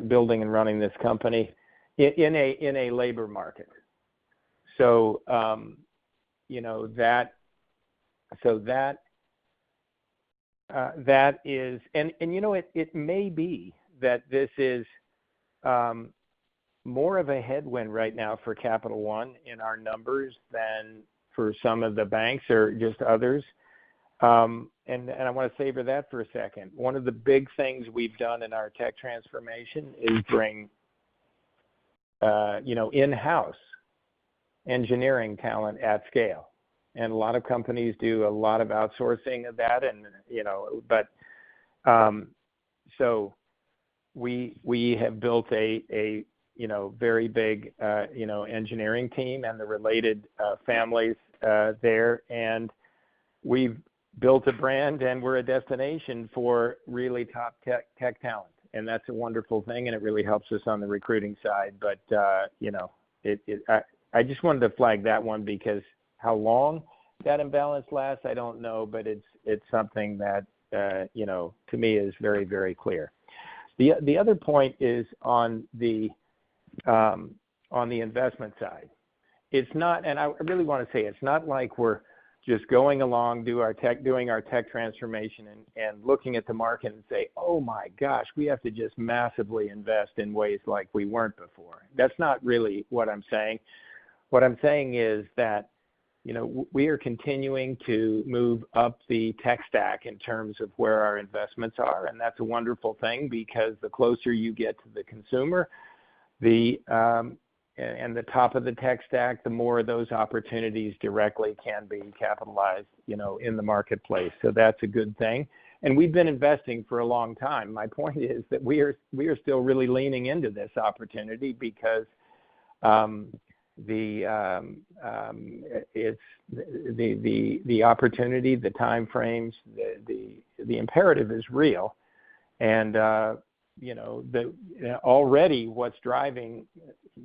building and running this company in a labor market. You know what? It may be that this is more of a headwind right now for Capital One in our numbers than for some of the banks or just others. I wanna savor that for a second. One of the big things we've done in our tech transformation is bring in-house engineering talent at scale. A lot of companies do a lot of outsourcing of that. We have built a very big engineering team and the related facilities there. We've built a brand, and we're a destination for really top tech talent. That's a wonderful thing, and it really helps us on the recruiting side. I just wanted to flag that one because how long that imbalance lasts, I don't know, but it's something that to me is very, very clear. The other point is on the investment side. It's not. I really wanna say it's not like we're just going along doing our tech transformation and looking at the market and say, "Oh my gosh, we have to just massively invest in ways like we weren't before." That's not really what I'm saying. What I'm saying is that, we are continuing to move up the tech stack in terms of where our investments are, and that's a wonderful thing because the closer you get to the consumer and the top of the tech stack, the more those opportunities directly can be capitalized, in the marketplace. That's a good thing. We've been investing for a long time. My point is that we are still really leaning into this opportunity because the opportunity, the time frames, and the imperative is real. Already, what's driving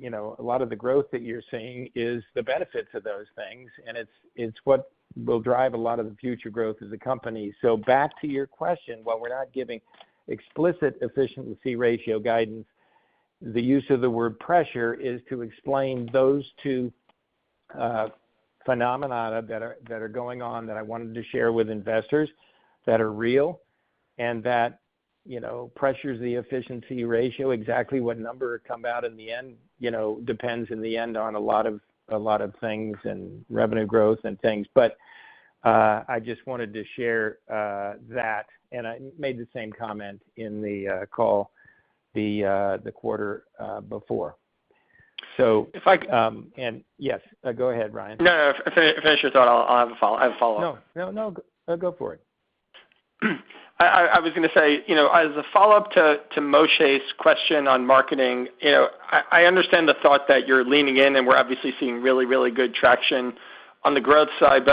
a lot of the growth that you're seeing is the benefit to those things, and it's what will drive a lot of the future growth as a company. Back to your question, while we're not giving explicit efficiency ratio guidance, the use of the word pressure is to explain those two phenomena that are going on that I wanted to share with investors that are real and that pressure the efficiency ratio. Exactly what number it comes out in the end depends in the end on a lot of things and revenue growth and things. I just wanted to share that, and I made the same comment in the call, the quarter before. If I Yes, go ahead, Ryan. No. Finish your thought. I have a follow-up. No. No, no. Go for it. I was gonna say, as a follow-up to Moshe's question on marketing, I understand the thought that you're leaning in, and we're obviously seeing really, really good traction on the growth side.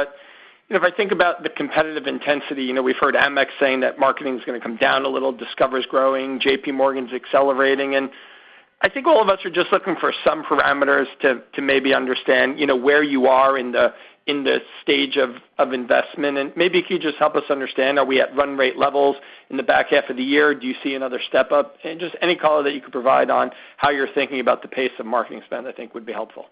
if I think about the competitive intensity, we've heard Amex saying that marketing is gonna come down a little, Discover's growing, J.P. Morgan's accelerating. I think all of us are just looking for some parameters to maybe understand where you are in the stage of investment. Maybe if you could just help us understand, are we at run rate levels in the back half of the year? Do you see another step up? Just any color that you could provide on how you're thinking about the pace of marketing spend, I think, would be helpful.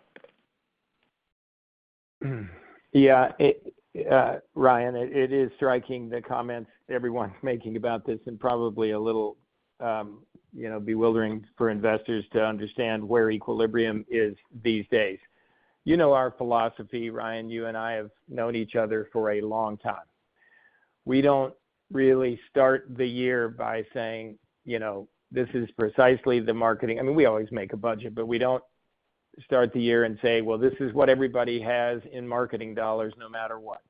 Ryan, it is striking the comments everyone's making about this, and probably a little bewildering for investors to understand where the equilibrium is these days. You know our philosophy, Ryan. You and I have known each other for a long time. We don't really start the year by saying, "This is precisely the marketing." I mean, we always make a budget, but we don't start the year and say, "Well, this is what everybody has in marketing dollars, no matter what."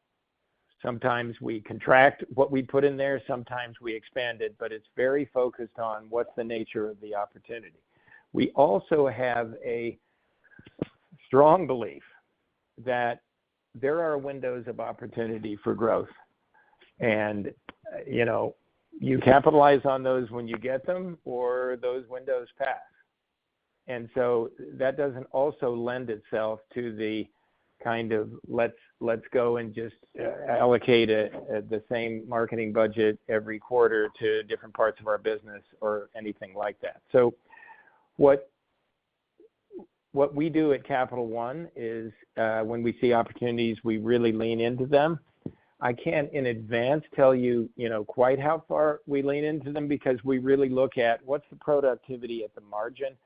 Sometimes we contract what we put in there, sometimes we expand it, but it's very focused on the nature of the opportunity. We also have a strong belief that there are windows of opportunity for growth. You capitalize on those when you get them, or those windows pass. That doesn't also lend itself to the kind of, let's go and just allocate it at the same marketing budget every quarter to different parts of our business or anything like that. What we do at Capital One is, when we see opportunities, we really lean into them. I can't in advance tell quite how far we lean into them because we really look at what's the productivity at the margin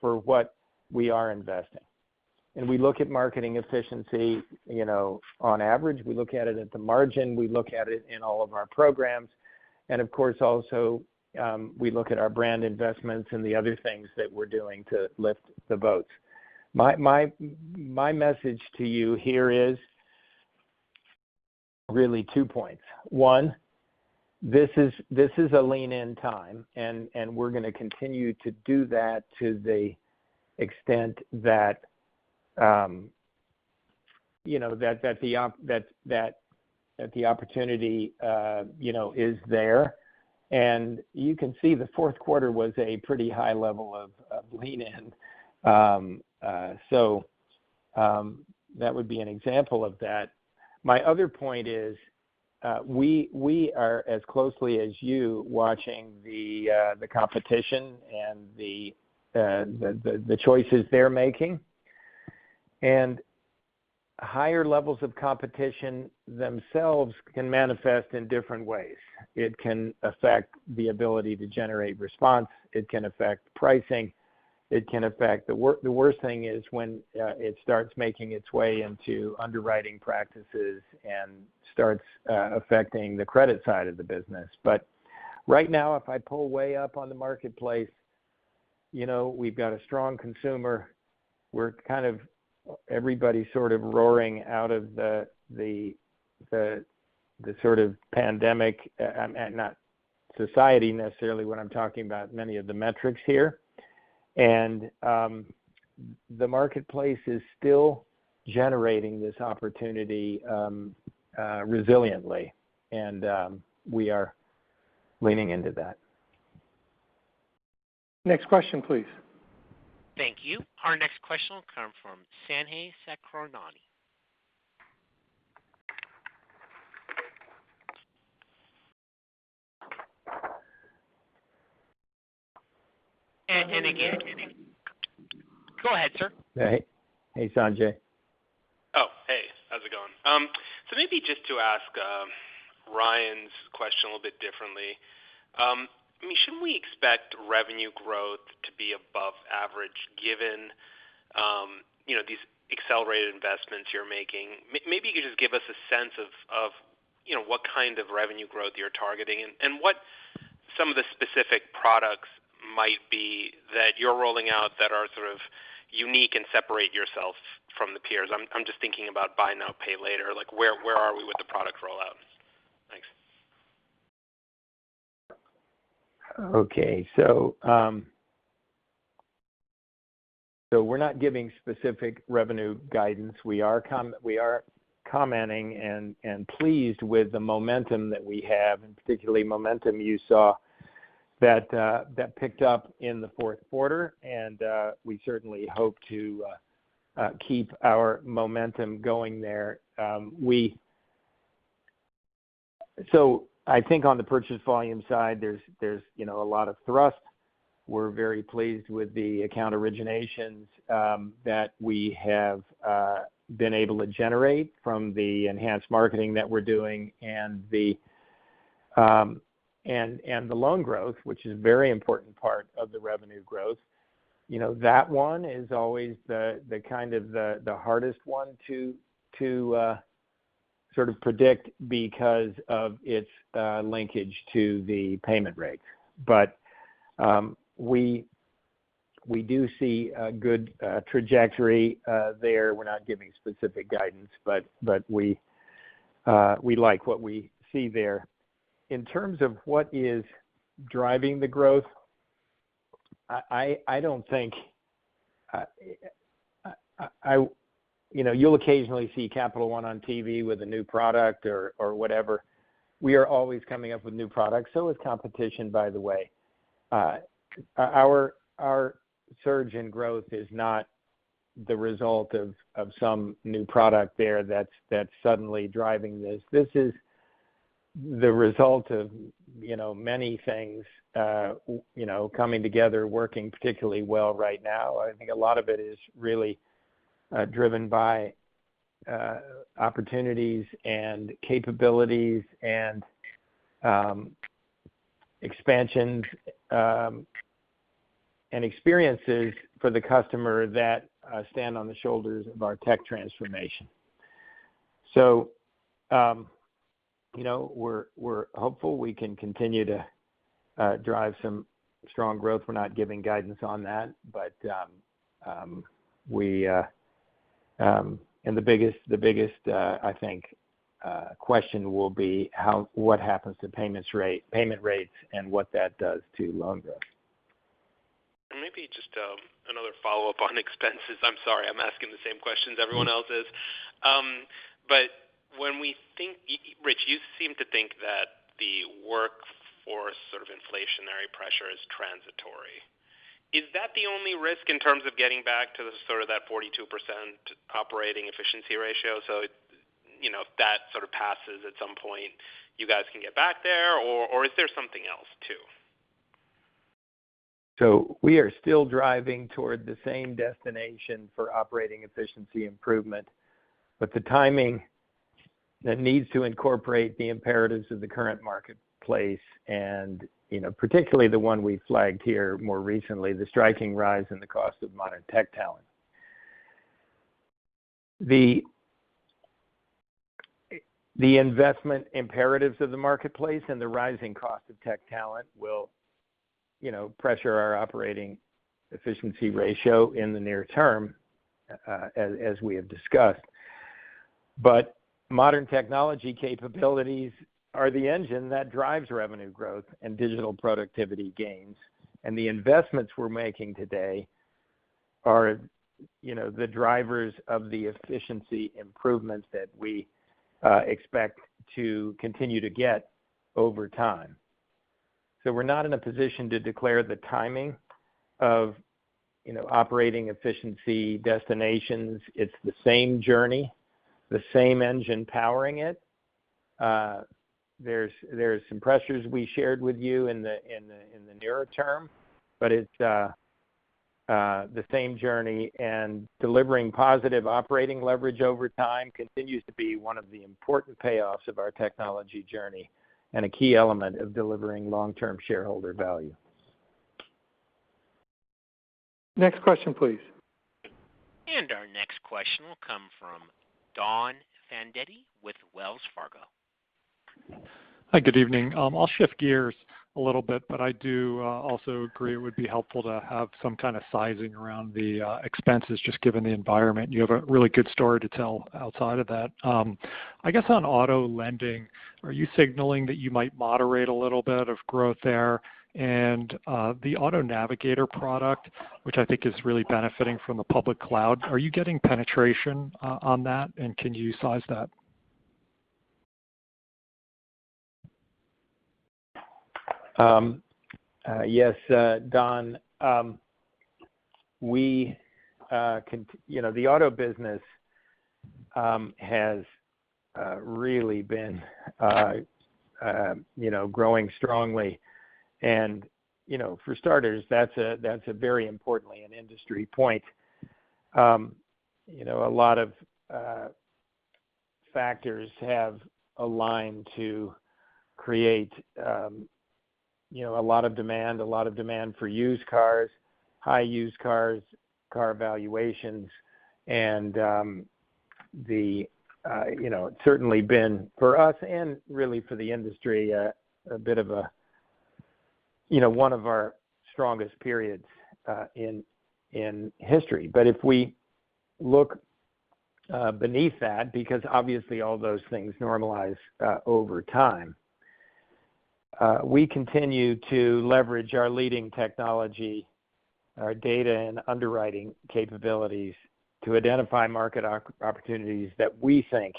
for what we are investing. We look at marketing efficiency, on average. We look at it at the margin, we look at it in all of our programs. Of course, also, we look at our brand investments and the other things that we're doing to lift the boats. My message to you here is really two points. One, this is a lean-in time, and we're gonna continue to do that to the extent that that the opportunity is there. You can see Q4 was a pretty high level of lean in. That would be an example of that. My other point is, we are as closely as you watching the competition and the choices they're making. Higher levels of competition themselves can manifest in different ways. It can affect the ability to generate response. It can affect pricing. The worst thing is when it starts making its way into underwriting practices and starts affecting the credit side of the business. Right now, if I pull way up on the marketplace, we've got a strong consumer. We're kind of everybody sort of roaring out of the sort of pandemic, not society necessarily what I'm talking about, many of the metrics here. The marketplace is still generating this opportunity resiliently, and we are leaning into that. Next question, please. Thank you. Our next question will come from Sanjay Sakhrani. Again, go ahead, sir. Hey. Hey, Sanjay. Hey. How's it going? Maybe just to ask Ryan's question a little bit differently. I mean, shouldn't we expect revenue growth to be above average given these accelerated investments you're making? Maybe you could just give us a sense of what kind of revenue growth you're targeting and what some of the specific products might be that you're rolling out that are sort of unique and separate yourself from the peers. I'm just thinking about buy now, pay later. Like, where are we with the product rollout? Thanks. Okay, we're not giving specific revenue guidance. We are commenting and pleased with the momentum that we have, and particularly momentum you saw that picked up in the Q4, and we certainly hope to keep our momentum going there. I think on the purchase volume side, there's, a lot of thrust. We're very pleased with the account originations that we have been able to generate from the enhanced marketing that we're doing and the loan growth, which is very important part of the revenue growth. that one is always the kind of hardest one to sort of predict because of its linkage to the payment rates. We do see a good trajectory there. We're not giving specific guidance, but we like what we see there. In terms of what is driving the growth, I don't think. you'll occasionally see Capital One on TV with a new product or whatever. We are always coming up with new products. Competition is, by the way. Our surge in growth is not the result of some new product there that's suddenly driving this. This is the result of, many things, coming together, working particularly well right now. I think a lot of it is really driven by opportunities and capabilities and expansions and experiences for the customer that stand on the shoulders of our tech transformation. We're hopeful we can continue to drive some strong growth. We're not giving guidance on that. The biggest, I think, question will be what happens to payment rates and what that does to loan growth. Maybe just another follow-up on expenses. I'm sorry, I'm asking the same questions everyone else is. When we think, Rich, you seem to think that the workforce sort of inflationary pressure is transitory. Is that the only risk in terms of getting back to the sort of that 42% operating efficiency ratio? It, if that sort of passes at some point, you guys can get back there, or is there something else too? We are still driving toward the same destination for operating efficiency improvement, but the timing that needs to incorporate the imperatives of the current marketplace, and, particularly the one we flagged here more recently, the striking rise in the cost of modern tech talent. The investment imperatives of the marketplace and the rising cost of tech talent will, pressure our operating efficiency ratio in the near term, as we have discussed. Modern technology capabilities are the engine that drives revenue growth and digital productivity gains. The investments we're making today are, the drivers of the efficiency improvements that we expect to continue to get over time. We're not in a position to declare the timing of, operating efficiency destinations. It's the same journey, the same engine powering it. There's some pressures we shared with you in the nearer term, but it's the same journey, and delivering positive operating leverage over time continues to be one of the important payoffs of our technology journey and a key element of delivering long-term shareholder value. Next question, please. Our next question will come from Donald Fandetti with Wells Fargo. Hi, good evening. I'll shift gears a little bit, but I do also agree it would be helpful to have some kind of sizing around the expenses, just given the environment. You have a really good story to tell outside of that. I guess on auto lending, are you signaling that you might moderate a little bit of growth there? The Auto Navigator product, which I think is really benefiting from the public cloud, are you getting penetration on that? Can you size that? Yes, Don. the auto business has really been, growing strongly. For starters, that's a very important industry point. a lot of factors have aligned to create, a lot of demand for used cars, high used-car valuations, and, it's certainly been for us and really for the industry, a bit of a, one of our strongest periods in history. If we look beneath that, because obviously all those things normalize over time, we continue to leverage our leading technology, our data and underwriting capabilities to identify market opportunities that we think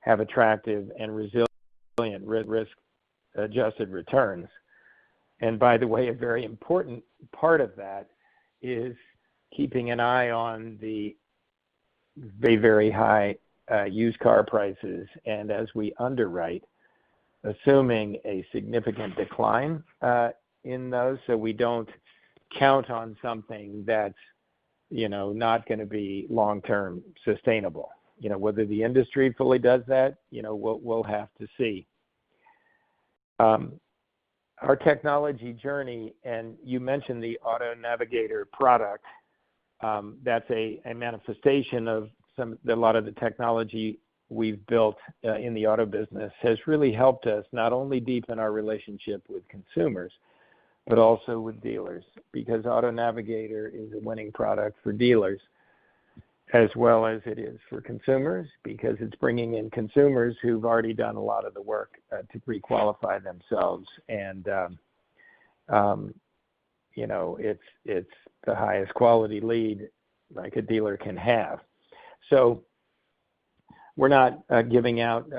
have attractive and resilient risk-adjusted returns. By the way, a very important part of that is keeping an eye on the very, very high used car prices, and as we underwrite, assuming a significant decline in those, so we don't count on something that's, not gonna be long-term sustainable. whether the industry fully does that, we'll have to see. Our technology journey, and you mentioned the Auto Navigator product, that's a manifestation of a lot of the technology we've built in the auto business, has really helped us not only deepen our relationship with consumers, but also with dealers. Because Auto Navigator is a winning product for dealers as well as it is for consumers because it's bringing in consumers who've already done a lot of the work to pre-qualify themselves. It's the highest quality lead like a dealer can have. We're not giving out,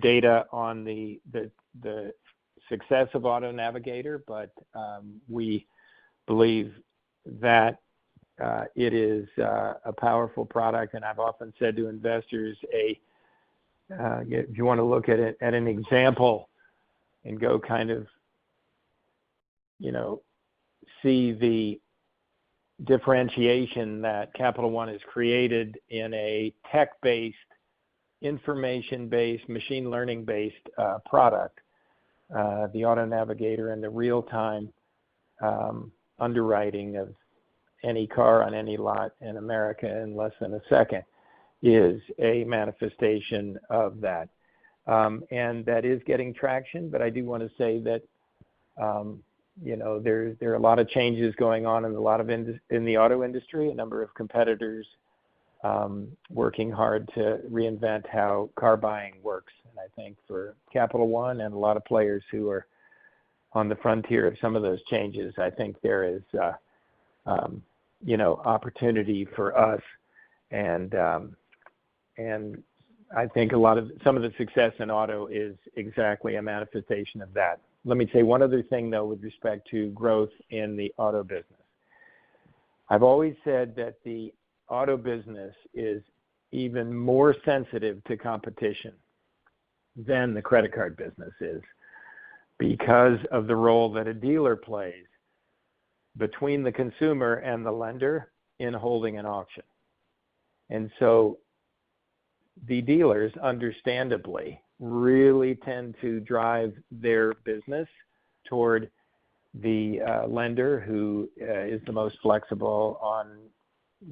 data on the success of Auto Navigator, but we believe that it is a powerful product. I've often said to investors, if you wanna look at it as an example and go kind of, see the differentiation that Capital One has created in a tech-based, information-based, machine-learning-based product, the Auto Navigator and the real-time underwriting of any car on any lot in America in less than a second is a manifestation of that. That is getting traction, but I do want to say that. there are a lot of changes going on in a lot of in the auto industry, a number of competitors working hard to reinvent how car buying works. I think for Capital One and a lot of players who are on the frontier of some of those changes, I think there is opportunity for us and I think some of the success in auto is exactly a manifestation of that. Let me say one other thing, though, with respect to growth in the auto business. I've always said that the auto business is even more sensitive to competition than the credit card business is because of the role that a dealer plays between the consumer and the lender in holding an auction. The dealers understandably really tend to drive their business toward the lender who is the most flexible on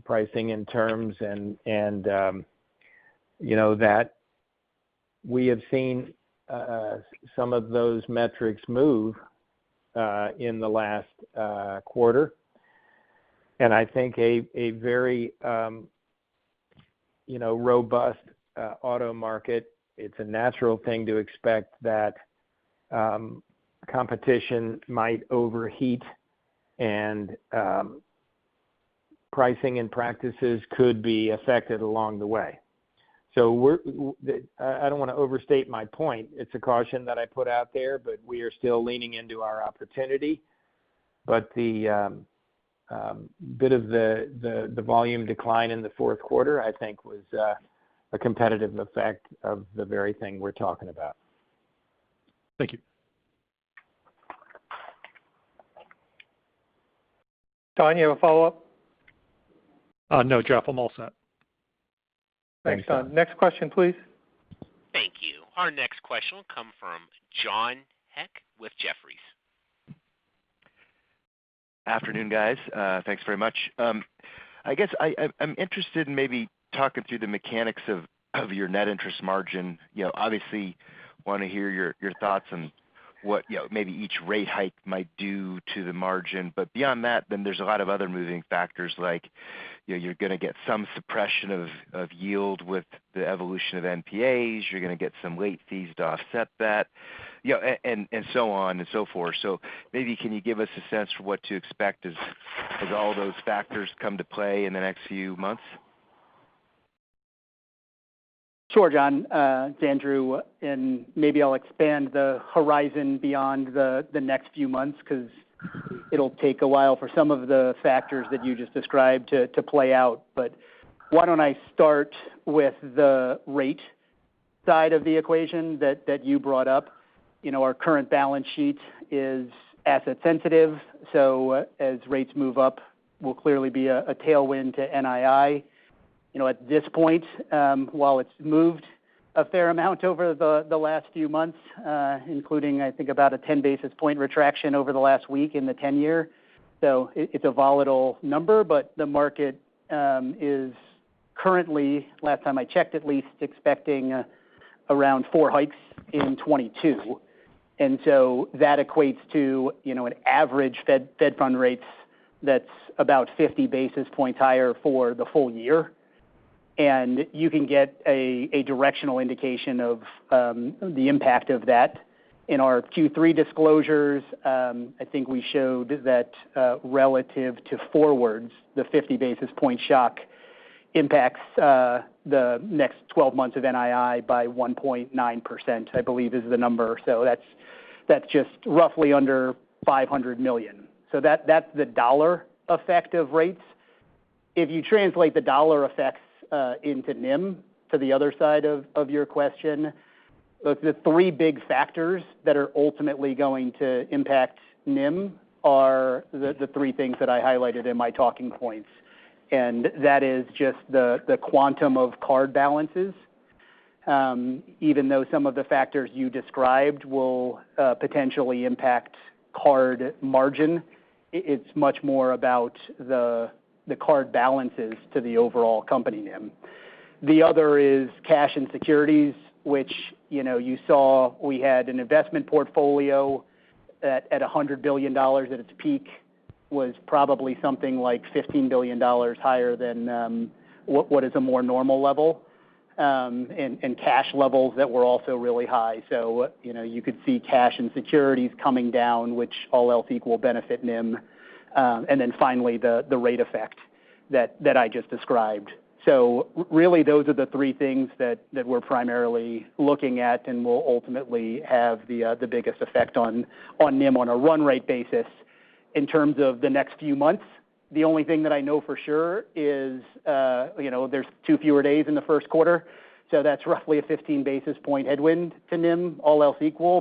pricing and terms and, that we have seen some of those metrics move in the last quarter. I think a very, robust auto market. It's a natural thing to expect that competition might overheat and pricing and practices could be affected along the way. I don't want to overstate my point. It's a caution that I put out there, but we are still leaning into our opportunity. The bit of the volume decline in the Q4, I think, was a competitive effect of the very thing we're talking about. Thank you. Don, you have a follow-up? No, Jeff. I'm all set. Thanks, Don. Next question, please. Thank you. Our next question will come from John Hecht with Jefferies. Afternoon, guys. Thanks very much. I'm interested in maybe talking through the mechanics of your net interest margin. obviously want to hear your thoughts on what, maybe, each rate hike might do to the margin. Beyond that, there's a lot of other moving factors you're going to get some suppression of yield with the evolution of NPAs. You're going to get some late fees to offset that, and so on and so forth. Maybe can you give us a sense for what to expect as all those factors come to play in the next few months? Sure, John. It's Andrew, and maybe I'll expand the horizon beyond the next few months because it'll take a while for some of the factors that you just described to play out. Why don't I start with the rate side of the equation that you brought up? Our current balance sheet is asset sensitive, so as rates move up, we'll clearly be a tailwind to NII. At this point, while it's moved a fair amount over the last few months, including, I think, about a 10 basis point retraction over the last week in the 10-year. It's a volatile number, but the market is currently, last time I checked at least, expecting around 4 hikes in 2022. That equates to an average Fed Funds rate that's about 50 basis points higher for the whole year. You can get a directional indication of the impact of that. In our Q3 disclosures, I think we showed that, relative to forwards, the 50 basis point shock impacts the next 12 months of NII by 1.9%, I believe is the number. That's just roughly under $500 million. That's the dollar effect of rates. If you translate the dollar effects into NIM to the other side of your question, the three big factors that are ultimately going to impact NIM are the three things that I highlighted in my talking points, and that is just the quantum of card balances. Even though some of the factors you described will potentially impact card margin, it's much more about the card balances to the overall company NIM. The other is cash and securities, which, you saw we had an investment portfolio at $100 billion at its peak, was probably something like $15 billion higher than what is a more normal level, and cash levels that were also really high. you could see cash and securities coming down, which all else equal benefit NIM. Then finally the rate effect that I just described. Really those are the three things that we're primarily looking at and will ultimately have the biggest effect on NIM on a run rate basis. In terms of the next few months, the only thing that I know for sure is, there's 2 fewer days in the first quarter, so that's roughly a 15 basis points headwind to NIM, all else equal.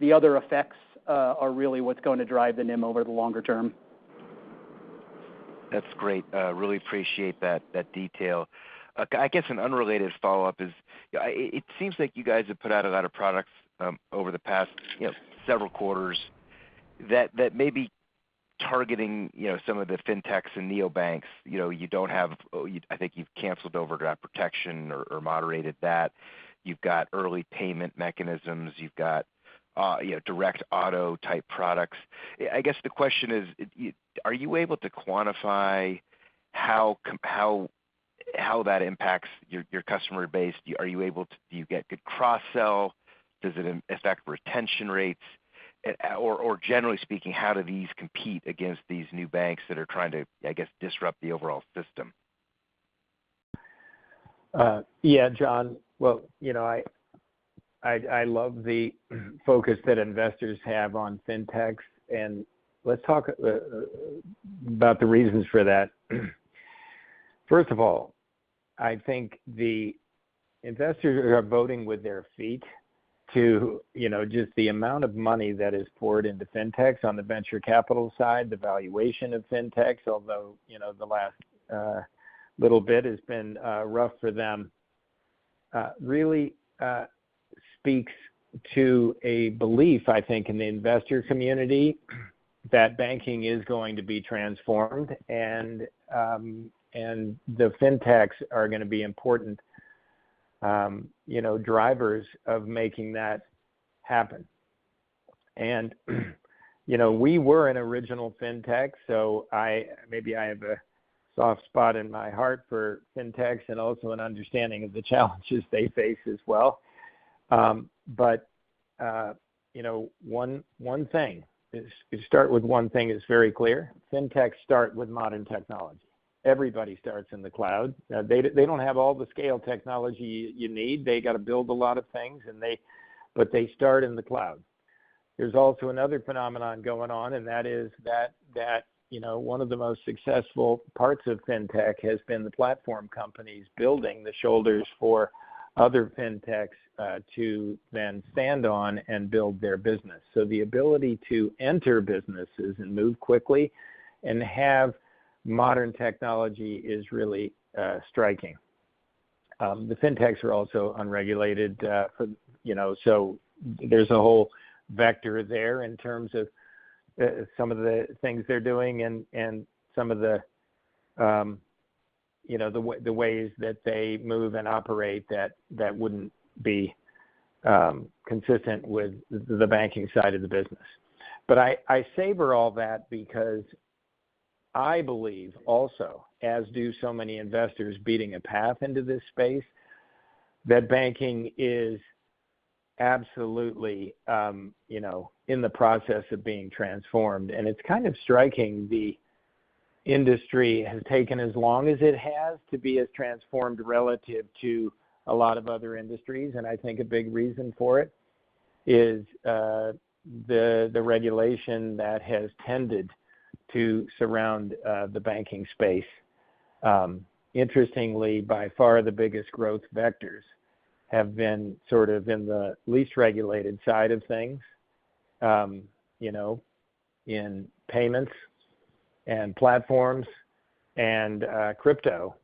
The other effects are really what's going to drive the NIM over the longer term. That's great. Really appreciate that detail. I guess an unrelated follow-up is, it seems like you guys have put out a lot of products over the past, several quarters that maybe targeting, some of the fintechs and neobanks, you don't have. You I think you've canceled overdraft protection or moderated that. You've got early payment mechanisms. You've got, direct auto-type products. I guess the question is, are you able to quantify how that impacts your customer base? Are you able to. Do you get good cross-sell? Does it impact retention rates? Or generally speaking, how do these compete against these new banks that are trying to, I guess, disrupt the overall system? John. Well, I love the focus that investors have on Fintechs, and let's talk about the reasons for that. First of all, I think the investors are voting with their feet to, just the amount of money that is poured into Fintechs on the venture capital side. The valuation of Fintechs, although, the last little bit has been rough for them, really speaks to a belief, I think, in the investor community that banking is going to be transformed and the Fintechs are gonna be important, drivers of making that happen. we were an original Fintech, so maybe I have a soft spot in my heart for Fintechs and also an understanding of the challenges they face as well. To start with, one thing is very clear. Fintechs start with modern technology. Everybody starts in the cloud. They don't have all the scale technology you need. They gotta build a lot of things, but they start in the cloud. There's also another phenomenon going on, and that is, one of the most successful parts of Fintech has been the platform companies building the shoulders for other Fintechs to then stand on and build their business. The ability to enter businesses and move quickly and have modern technology is really striking. The fintechs are also unregulated, so there's a whole vector there in terms of some of the things they're doing and some of the, the ways that they move and operate that wouldn't be consistent with the banking side of the business. I savor all that because I believe also, as do so many investors beating a path into this space, that banking is absolutely, in the process of being transformed. It's kind of striking. The industry has taken as long as it has to be as transformed relative to a lot of other industries. I think a big reason for it is the regulation that has tended to surround the banking space. Interestingly, by far the biggest growth vectors have been sort of in the least regulated side of things, in payments and platforms and, crypto.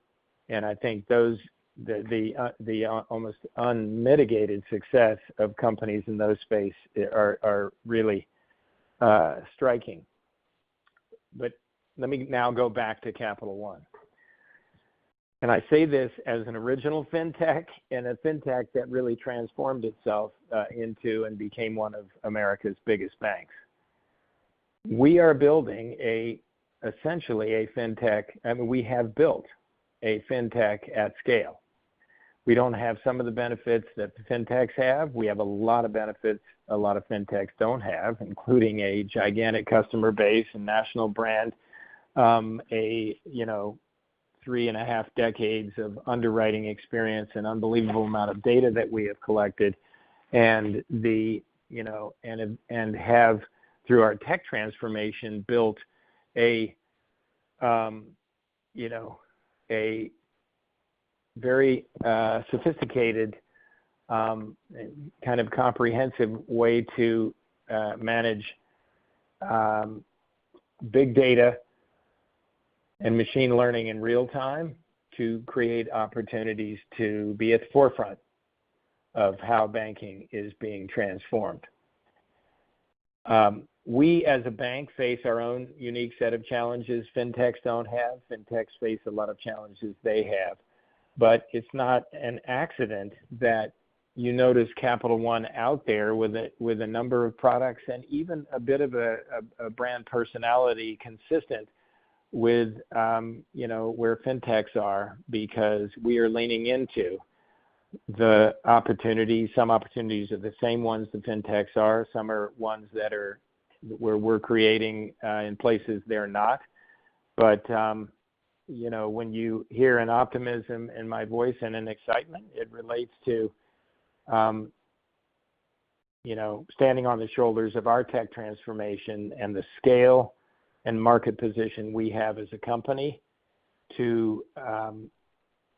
I think those, the almost unmitigated success of companies in those spaces are really striking. Let me now go back to Capital One. I say this as an original Fintech and a Fintech that really transformed itself into and became one of America's biggest banks. We are building essentially a Fintech. I mean, we have built a Fintech at scale. We don't have some of the benefits that the Fintechs have. We have a lot of benefits a lot of fintechs don't have, including a gigantic customer base and national brand, 3.5 decades of underwriting experience, an unbelievable amount of data that we have collected. We have, through our tech transformation, built a very sophisticated kind of comprehensive way to manage big data and machine learning in real time to create opportunities to be at the forefront of how banking is being transformed. We, as a bank, face our own unique set of challenges fintechs don't have. Fintechs face a lot of challenges they have. It's not an accident that you notice Capital One out there with a number of products and even a bit of a brand personality consistent with, where Fintechs are because we are leaning into the opportunities. me opportunities are the same ones the Fintechs are. me are ones that we're creating in places they're not. when you hear an optimism in my voice and an excitement, it relates to, standing on the shoulders of our tech transformation and the scale and market position we have as a company to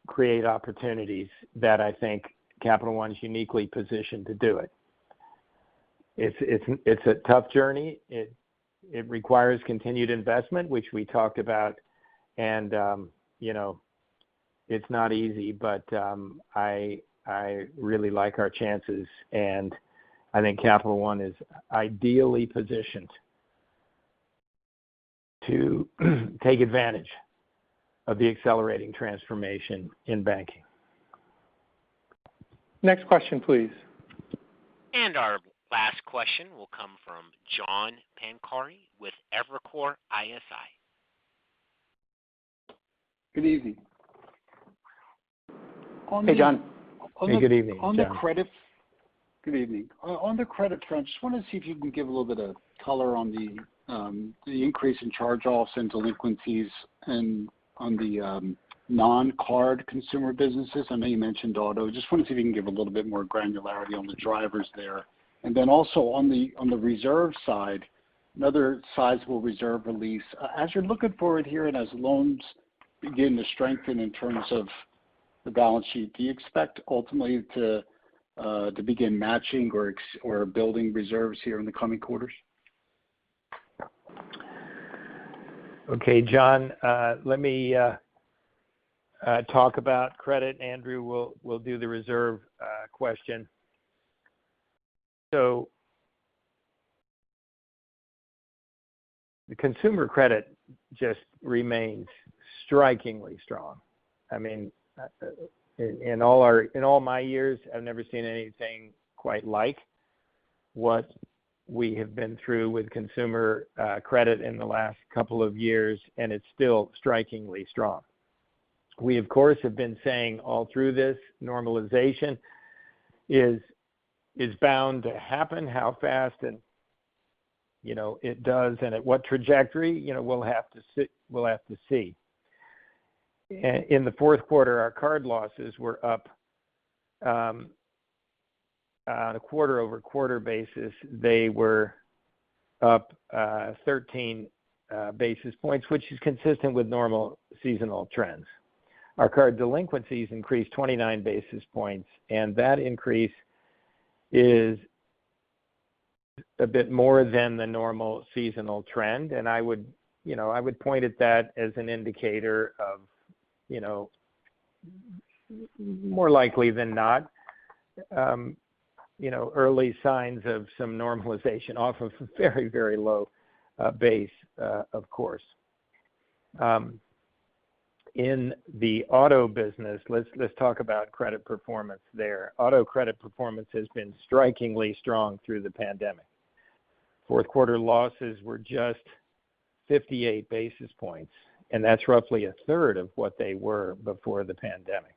create opportunities that I think Capital One is uniquely positioned to do it. It's a tough journey. It requires continued investment, which we talked about. It's not easy, but I really like our chances, and I think Capital One is ideally positioned to take advantage of the accelerating transformation in banking. Next question, please. Our last question will come from John Pancari with Evercore ISI. Good evening. Hey, John. Hey, good evening, John. Good evening. On the credit front, I just want to see if you can give a little bit of color on the increase in charge-offs and delinquencies and on the non-card consumer businesses. I know you mentioned auto. Just wanted to see if you can give a little bit more granularity on the drivers there. Also on the reserve side, another sizable reserve release. As you're looking forward here and as loans begin to strengthen in terms of the balance sheet, do you expect ultimately to begin matching or building reserves here in the coming quarters? Okay, John, let me talk about credit. Andrew will do the reserve question. The consumer credit just remains strikingly strong. I mean, in all my years, I've never seen anything quite like what we have been through with consumer credit in the last couple of years, and it's still strikingly strong. We, of course, have been saying all through this normalization is bound to happen, how fast and, it does and at what trajectory, we'll have to see. In the Q4, our card losses were up on a quarter-over-quarter basis, they were up 13 basis points, which is consistent with normal seasonal trends. Our card delinquencies increased 29 basis points, and that increase is a bit more than the normal seasonal trend. I would, point at that as an indicator of, more likely than not, early signs of some normalization off of a very, very low base, of course. In the auto business, let's talk about credit performance there. Auto credit performance has been strikingly strong through the pandemic. Q4 losses were just 58 basis points, and that's roughly a third of what they were before the pandemic.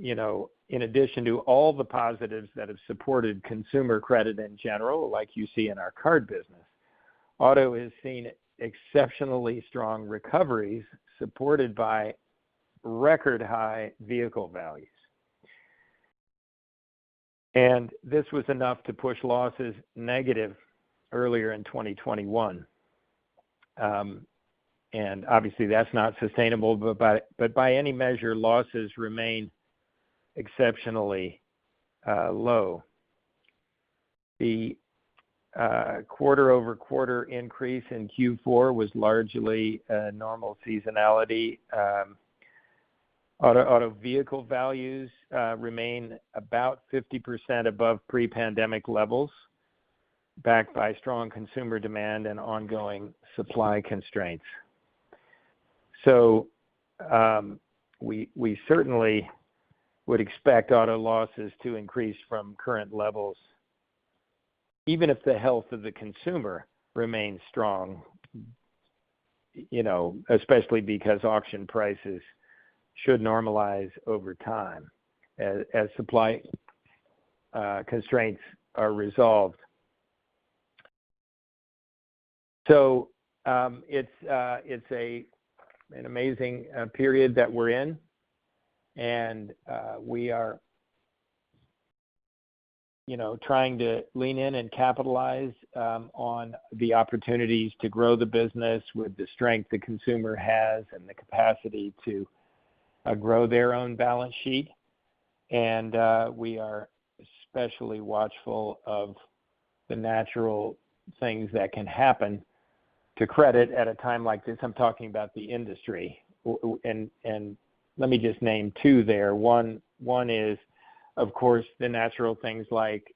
In addition to all the positives that have supported consumer credit in general, as you see in our card business, auto has seen exceptionally strong recoveries supported by record high vehicle values. This was enough to push losses negative earlier in 2021. Obviously that's not sustainable, but by any measure, losses remain exceptionally low. The quarter-over-quarter increase in Q4 was largely a normal seasonality. Auto vehicle values remain about 50% above pre-pandemic levels, backed by strong consumer demand and ongoing supply constraints. We certainly would expect auto losses to increase from current levels, even if the health of the consumer remains strong, especially because auction prices should normalize over time as supply constraints are resolved. It's an amazing period that we're in. We are, trying to lean in and capitalize on the opportunities to grow the business with the strength the consumer has and the capacity to grow their own balance sheet. We are especially watchful of the natural things that can happen to credit at a time like this. I'm talking about the industry. Let me just name two there. One is, of course, the natural things like,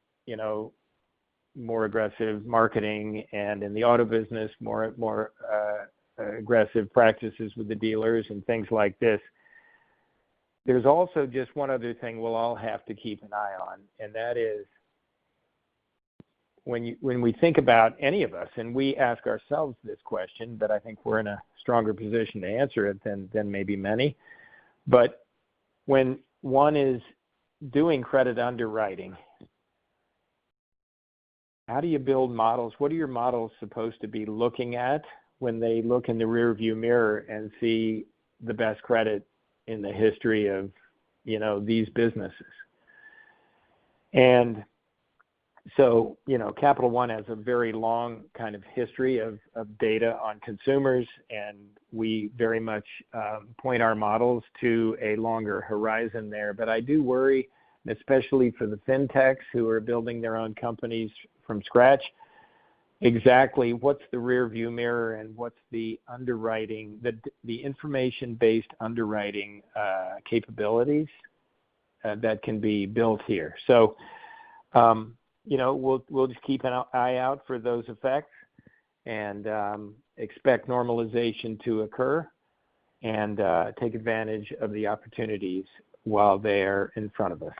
more aggressive marketing and in the auto business, more aggressive practices with the dealers and things like this. There's also just one other thing we'll all have to keep an eye on, and that is when we think about any of us, and we ask ourselves this question, but I think we're in a stronger position to answer it than maybe many. When one is doing credit underwriting, how do you build models? What are your models supposed to be looking at when they look in the rearview mirror and see the best credit in the history of, these businesses? Capital One has a very long kind of history of data on consumers, and we very much point our models to a longer horizon there. I do worry, especially for the Fintechs who are building their own companies from scratch. Exactly. What's the rear view mirror and what's the underwriting, the information-based underwriting capabilities that can be built here. we'll just keep an eye out for those effects and expect normalization to occur and take advantage of the opportunities while they're in front of us.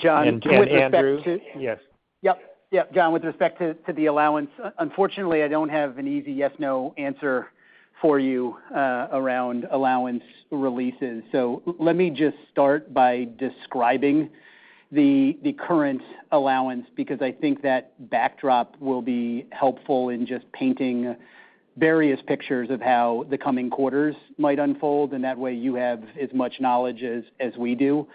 John. Andrew. With respect to- Yes. Yep. Yep. John, with respect to the allowance, unfortunately, I don't have an easy yes, no answer for you around allowance releases. Let me just start by describing the current allowance because I think that backdrop will be helpful in just painting various pictures of how the coming quarters might unfold, and that way you have as much knowledge as we do.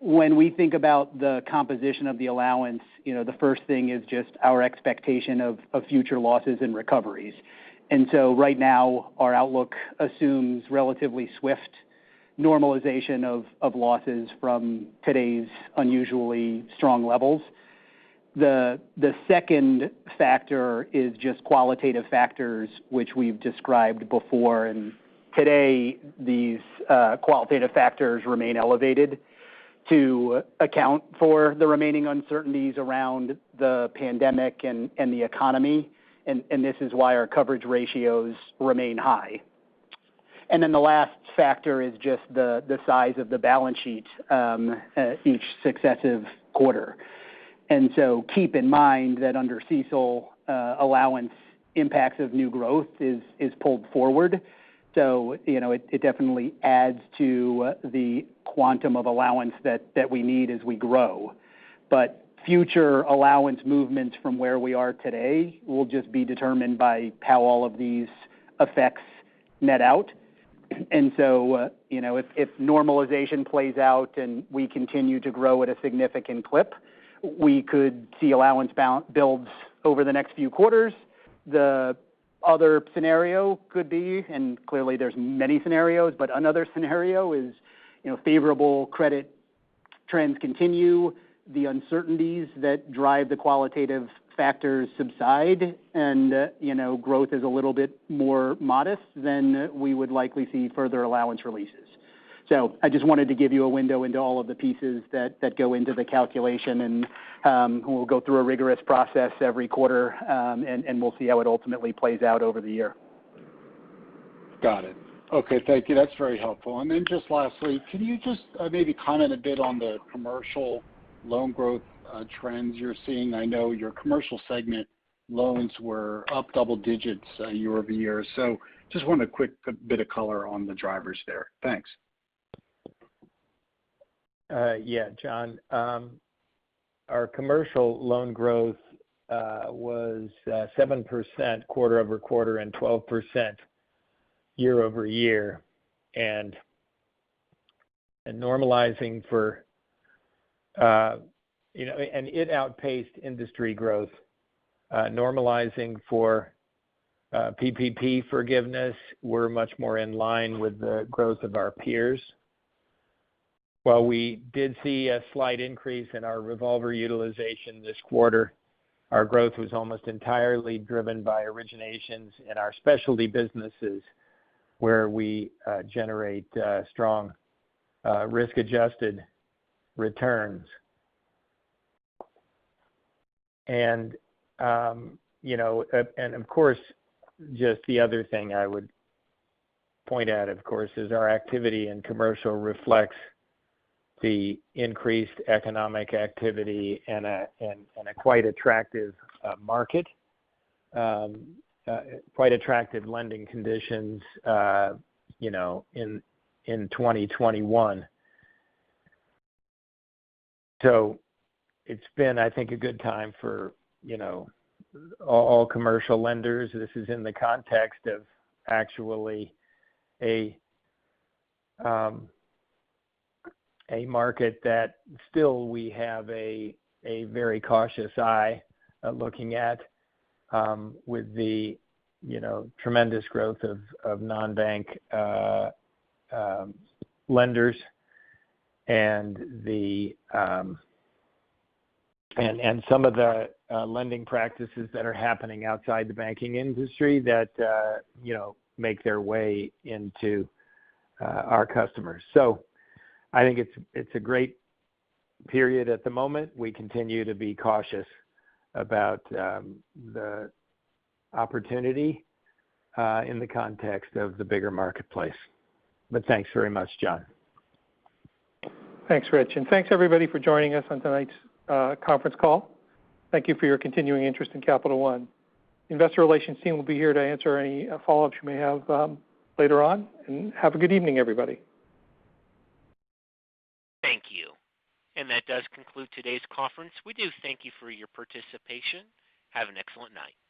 When we think about the composition of the allowance, the first thing is just our expectation of future losses and recoveries. Right now, our outlook assumes relatively swift normalization of losses from today's unusually strong levels. The second factor is just qualitative factors, which we've described before. Today, these qualitative factors remain elevated to account for the remaining uncertainties around the pandemic and the economy. This is why our coverage ratios remain high. The last factor is just the size of the balance sheet each successive quarter. Keep in mind that under CECL, allowance impacts of new growth is pulled forward. it definitely adds to the quantum of allowance that we need as we grow. Future allowance movements from where we are today will just be determined by how all of these effects net out. if normalization plays out and we continue to grow at a significant clip, we could see allowance balance build over the next few quarters. The other scenario could be, and clearly there's many scenarios, but another scenario is, favorable credit trends continue. The uncertainties that drive the qualitative factors subside and, growth is a little bit more modest than we would likely see further allowance releases. I just wanted to give you a window into all of the pieces that go into the calculation. We'll go through a rigorous process every quarter, and we'll see how it ultimately plays out over the year. Got it. Okay. Thank you. That's very helpful. Just lastly, can you just, maybe comment a bit on the commercial loan growth, trends you're seeing? I know your commercial segment loans were up double digits year-over-year. Just want a quick bit of color on the drivers there. Thanks. John. Our commercial loan growth was 7% quarter-over-quarter and 12% year-over-year. It outpaced industry growth. Normalizing for PPP forgiveness, we're much more in line with the growth of our peers. While we did see a slight increase in our revolver utilization this quarter, our growth was almost entirely driven by originations in our specialty businesses where we generate strong risk-adjusted returns. of course, just the other thing I would point out, of course, is our activity in commercial reflects the increased economic activity in a quite attractive market. Quite attractive lending conditions, in 2021. It's been, I think, a good time for, all commercial lenders. This is in the context of actually a market that we still have a very cautious eye looking at, with the tremendous growth of non-bank lenders and some of the lending practices that are happening outside the banking industry that make their way into our customers. I think it's a great period at the moment. We continue to be cautious about the opportunity in the context of the bigger marketplace. Thanks very much, John. Thanks, Rich. Thanks, everybody for joining us on tonight's conference call. Thank you for your continuing interest in Capital One. The Investor relations team will be here to answer any follow-ups you may have later on. Have a good evening, everybody. Thank you. That does conclude today's conference. We do thank you for your participation. Have an excellent night.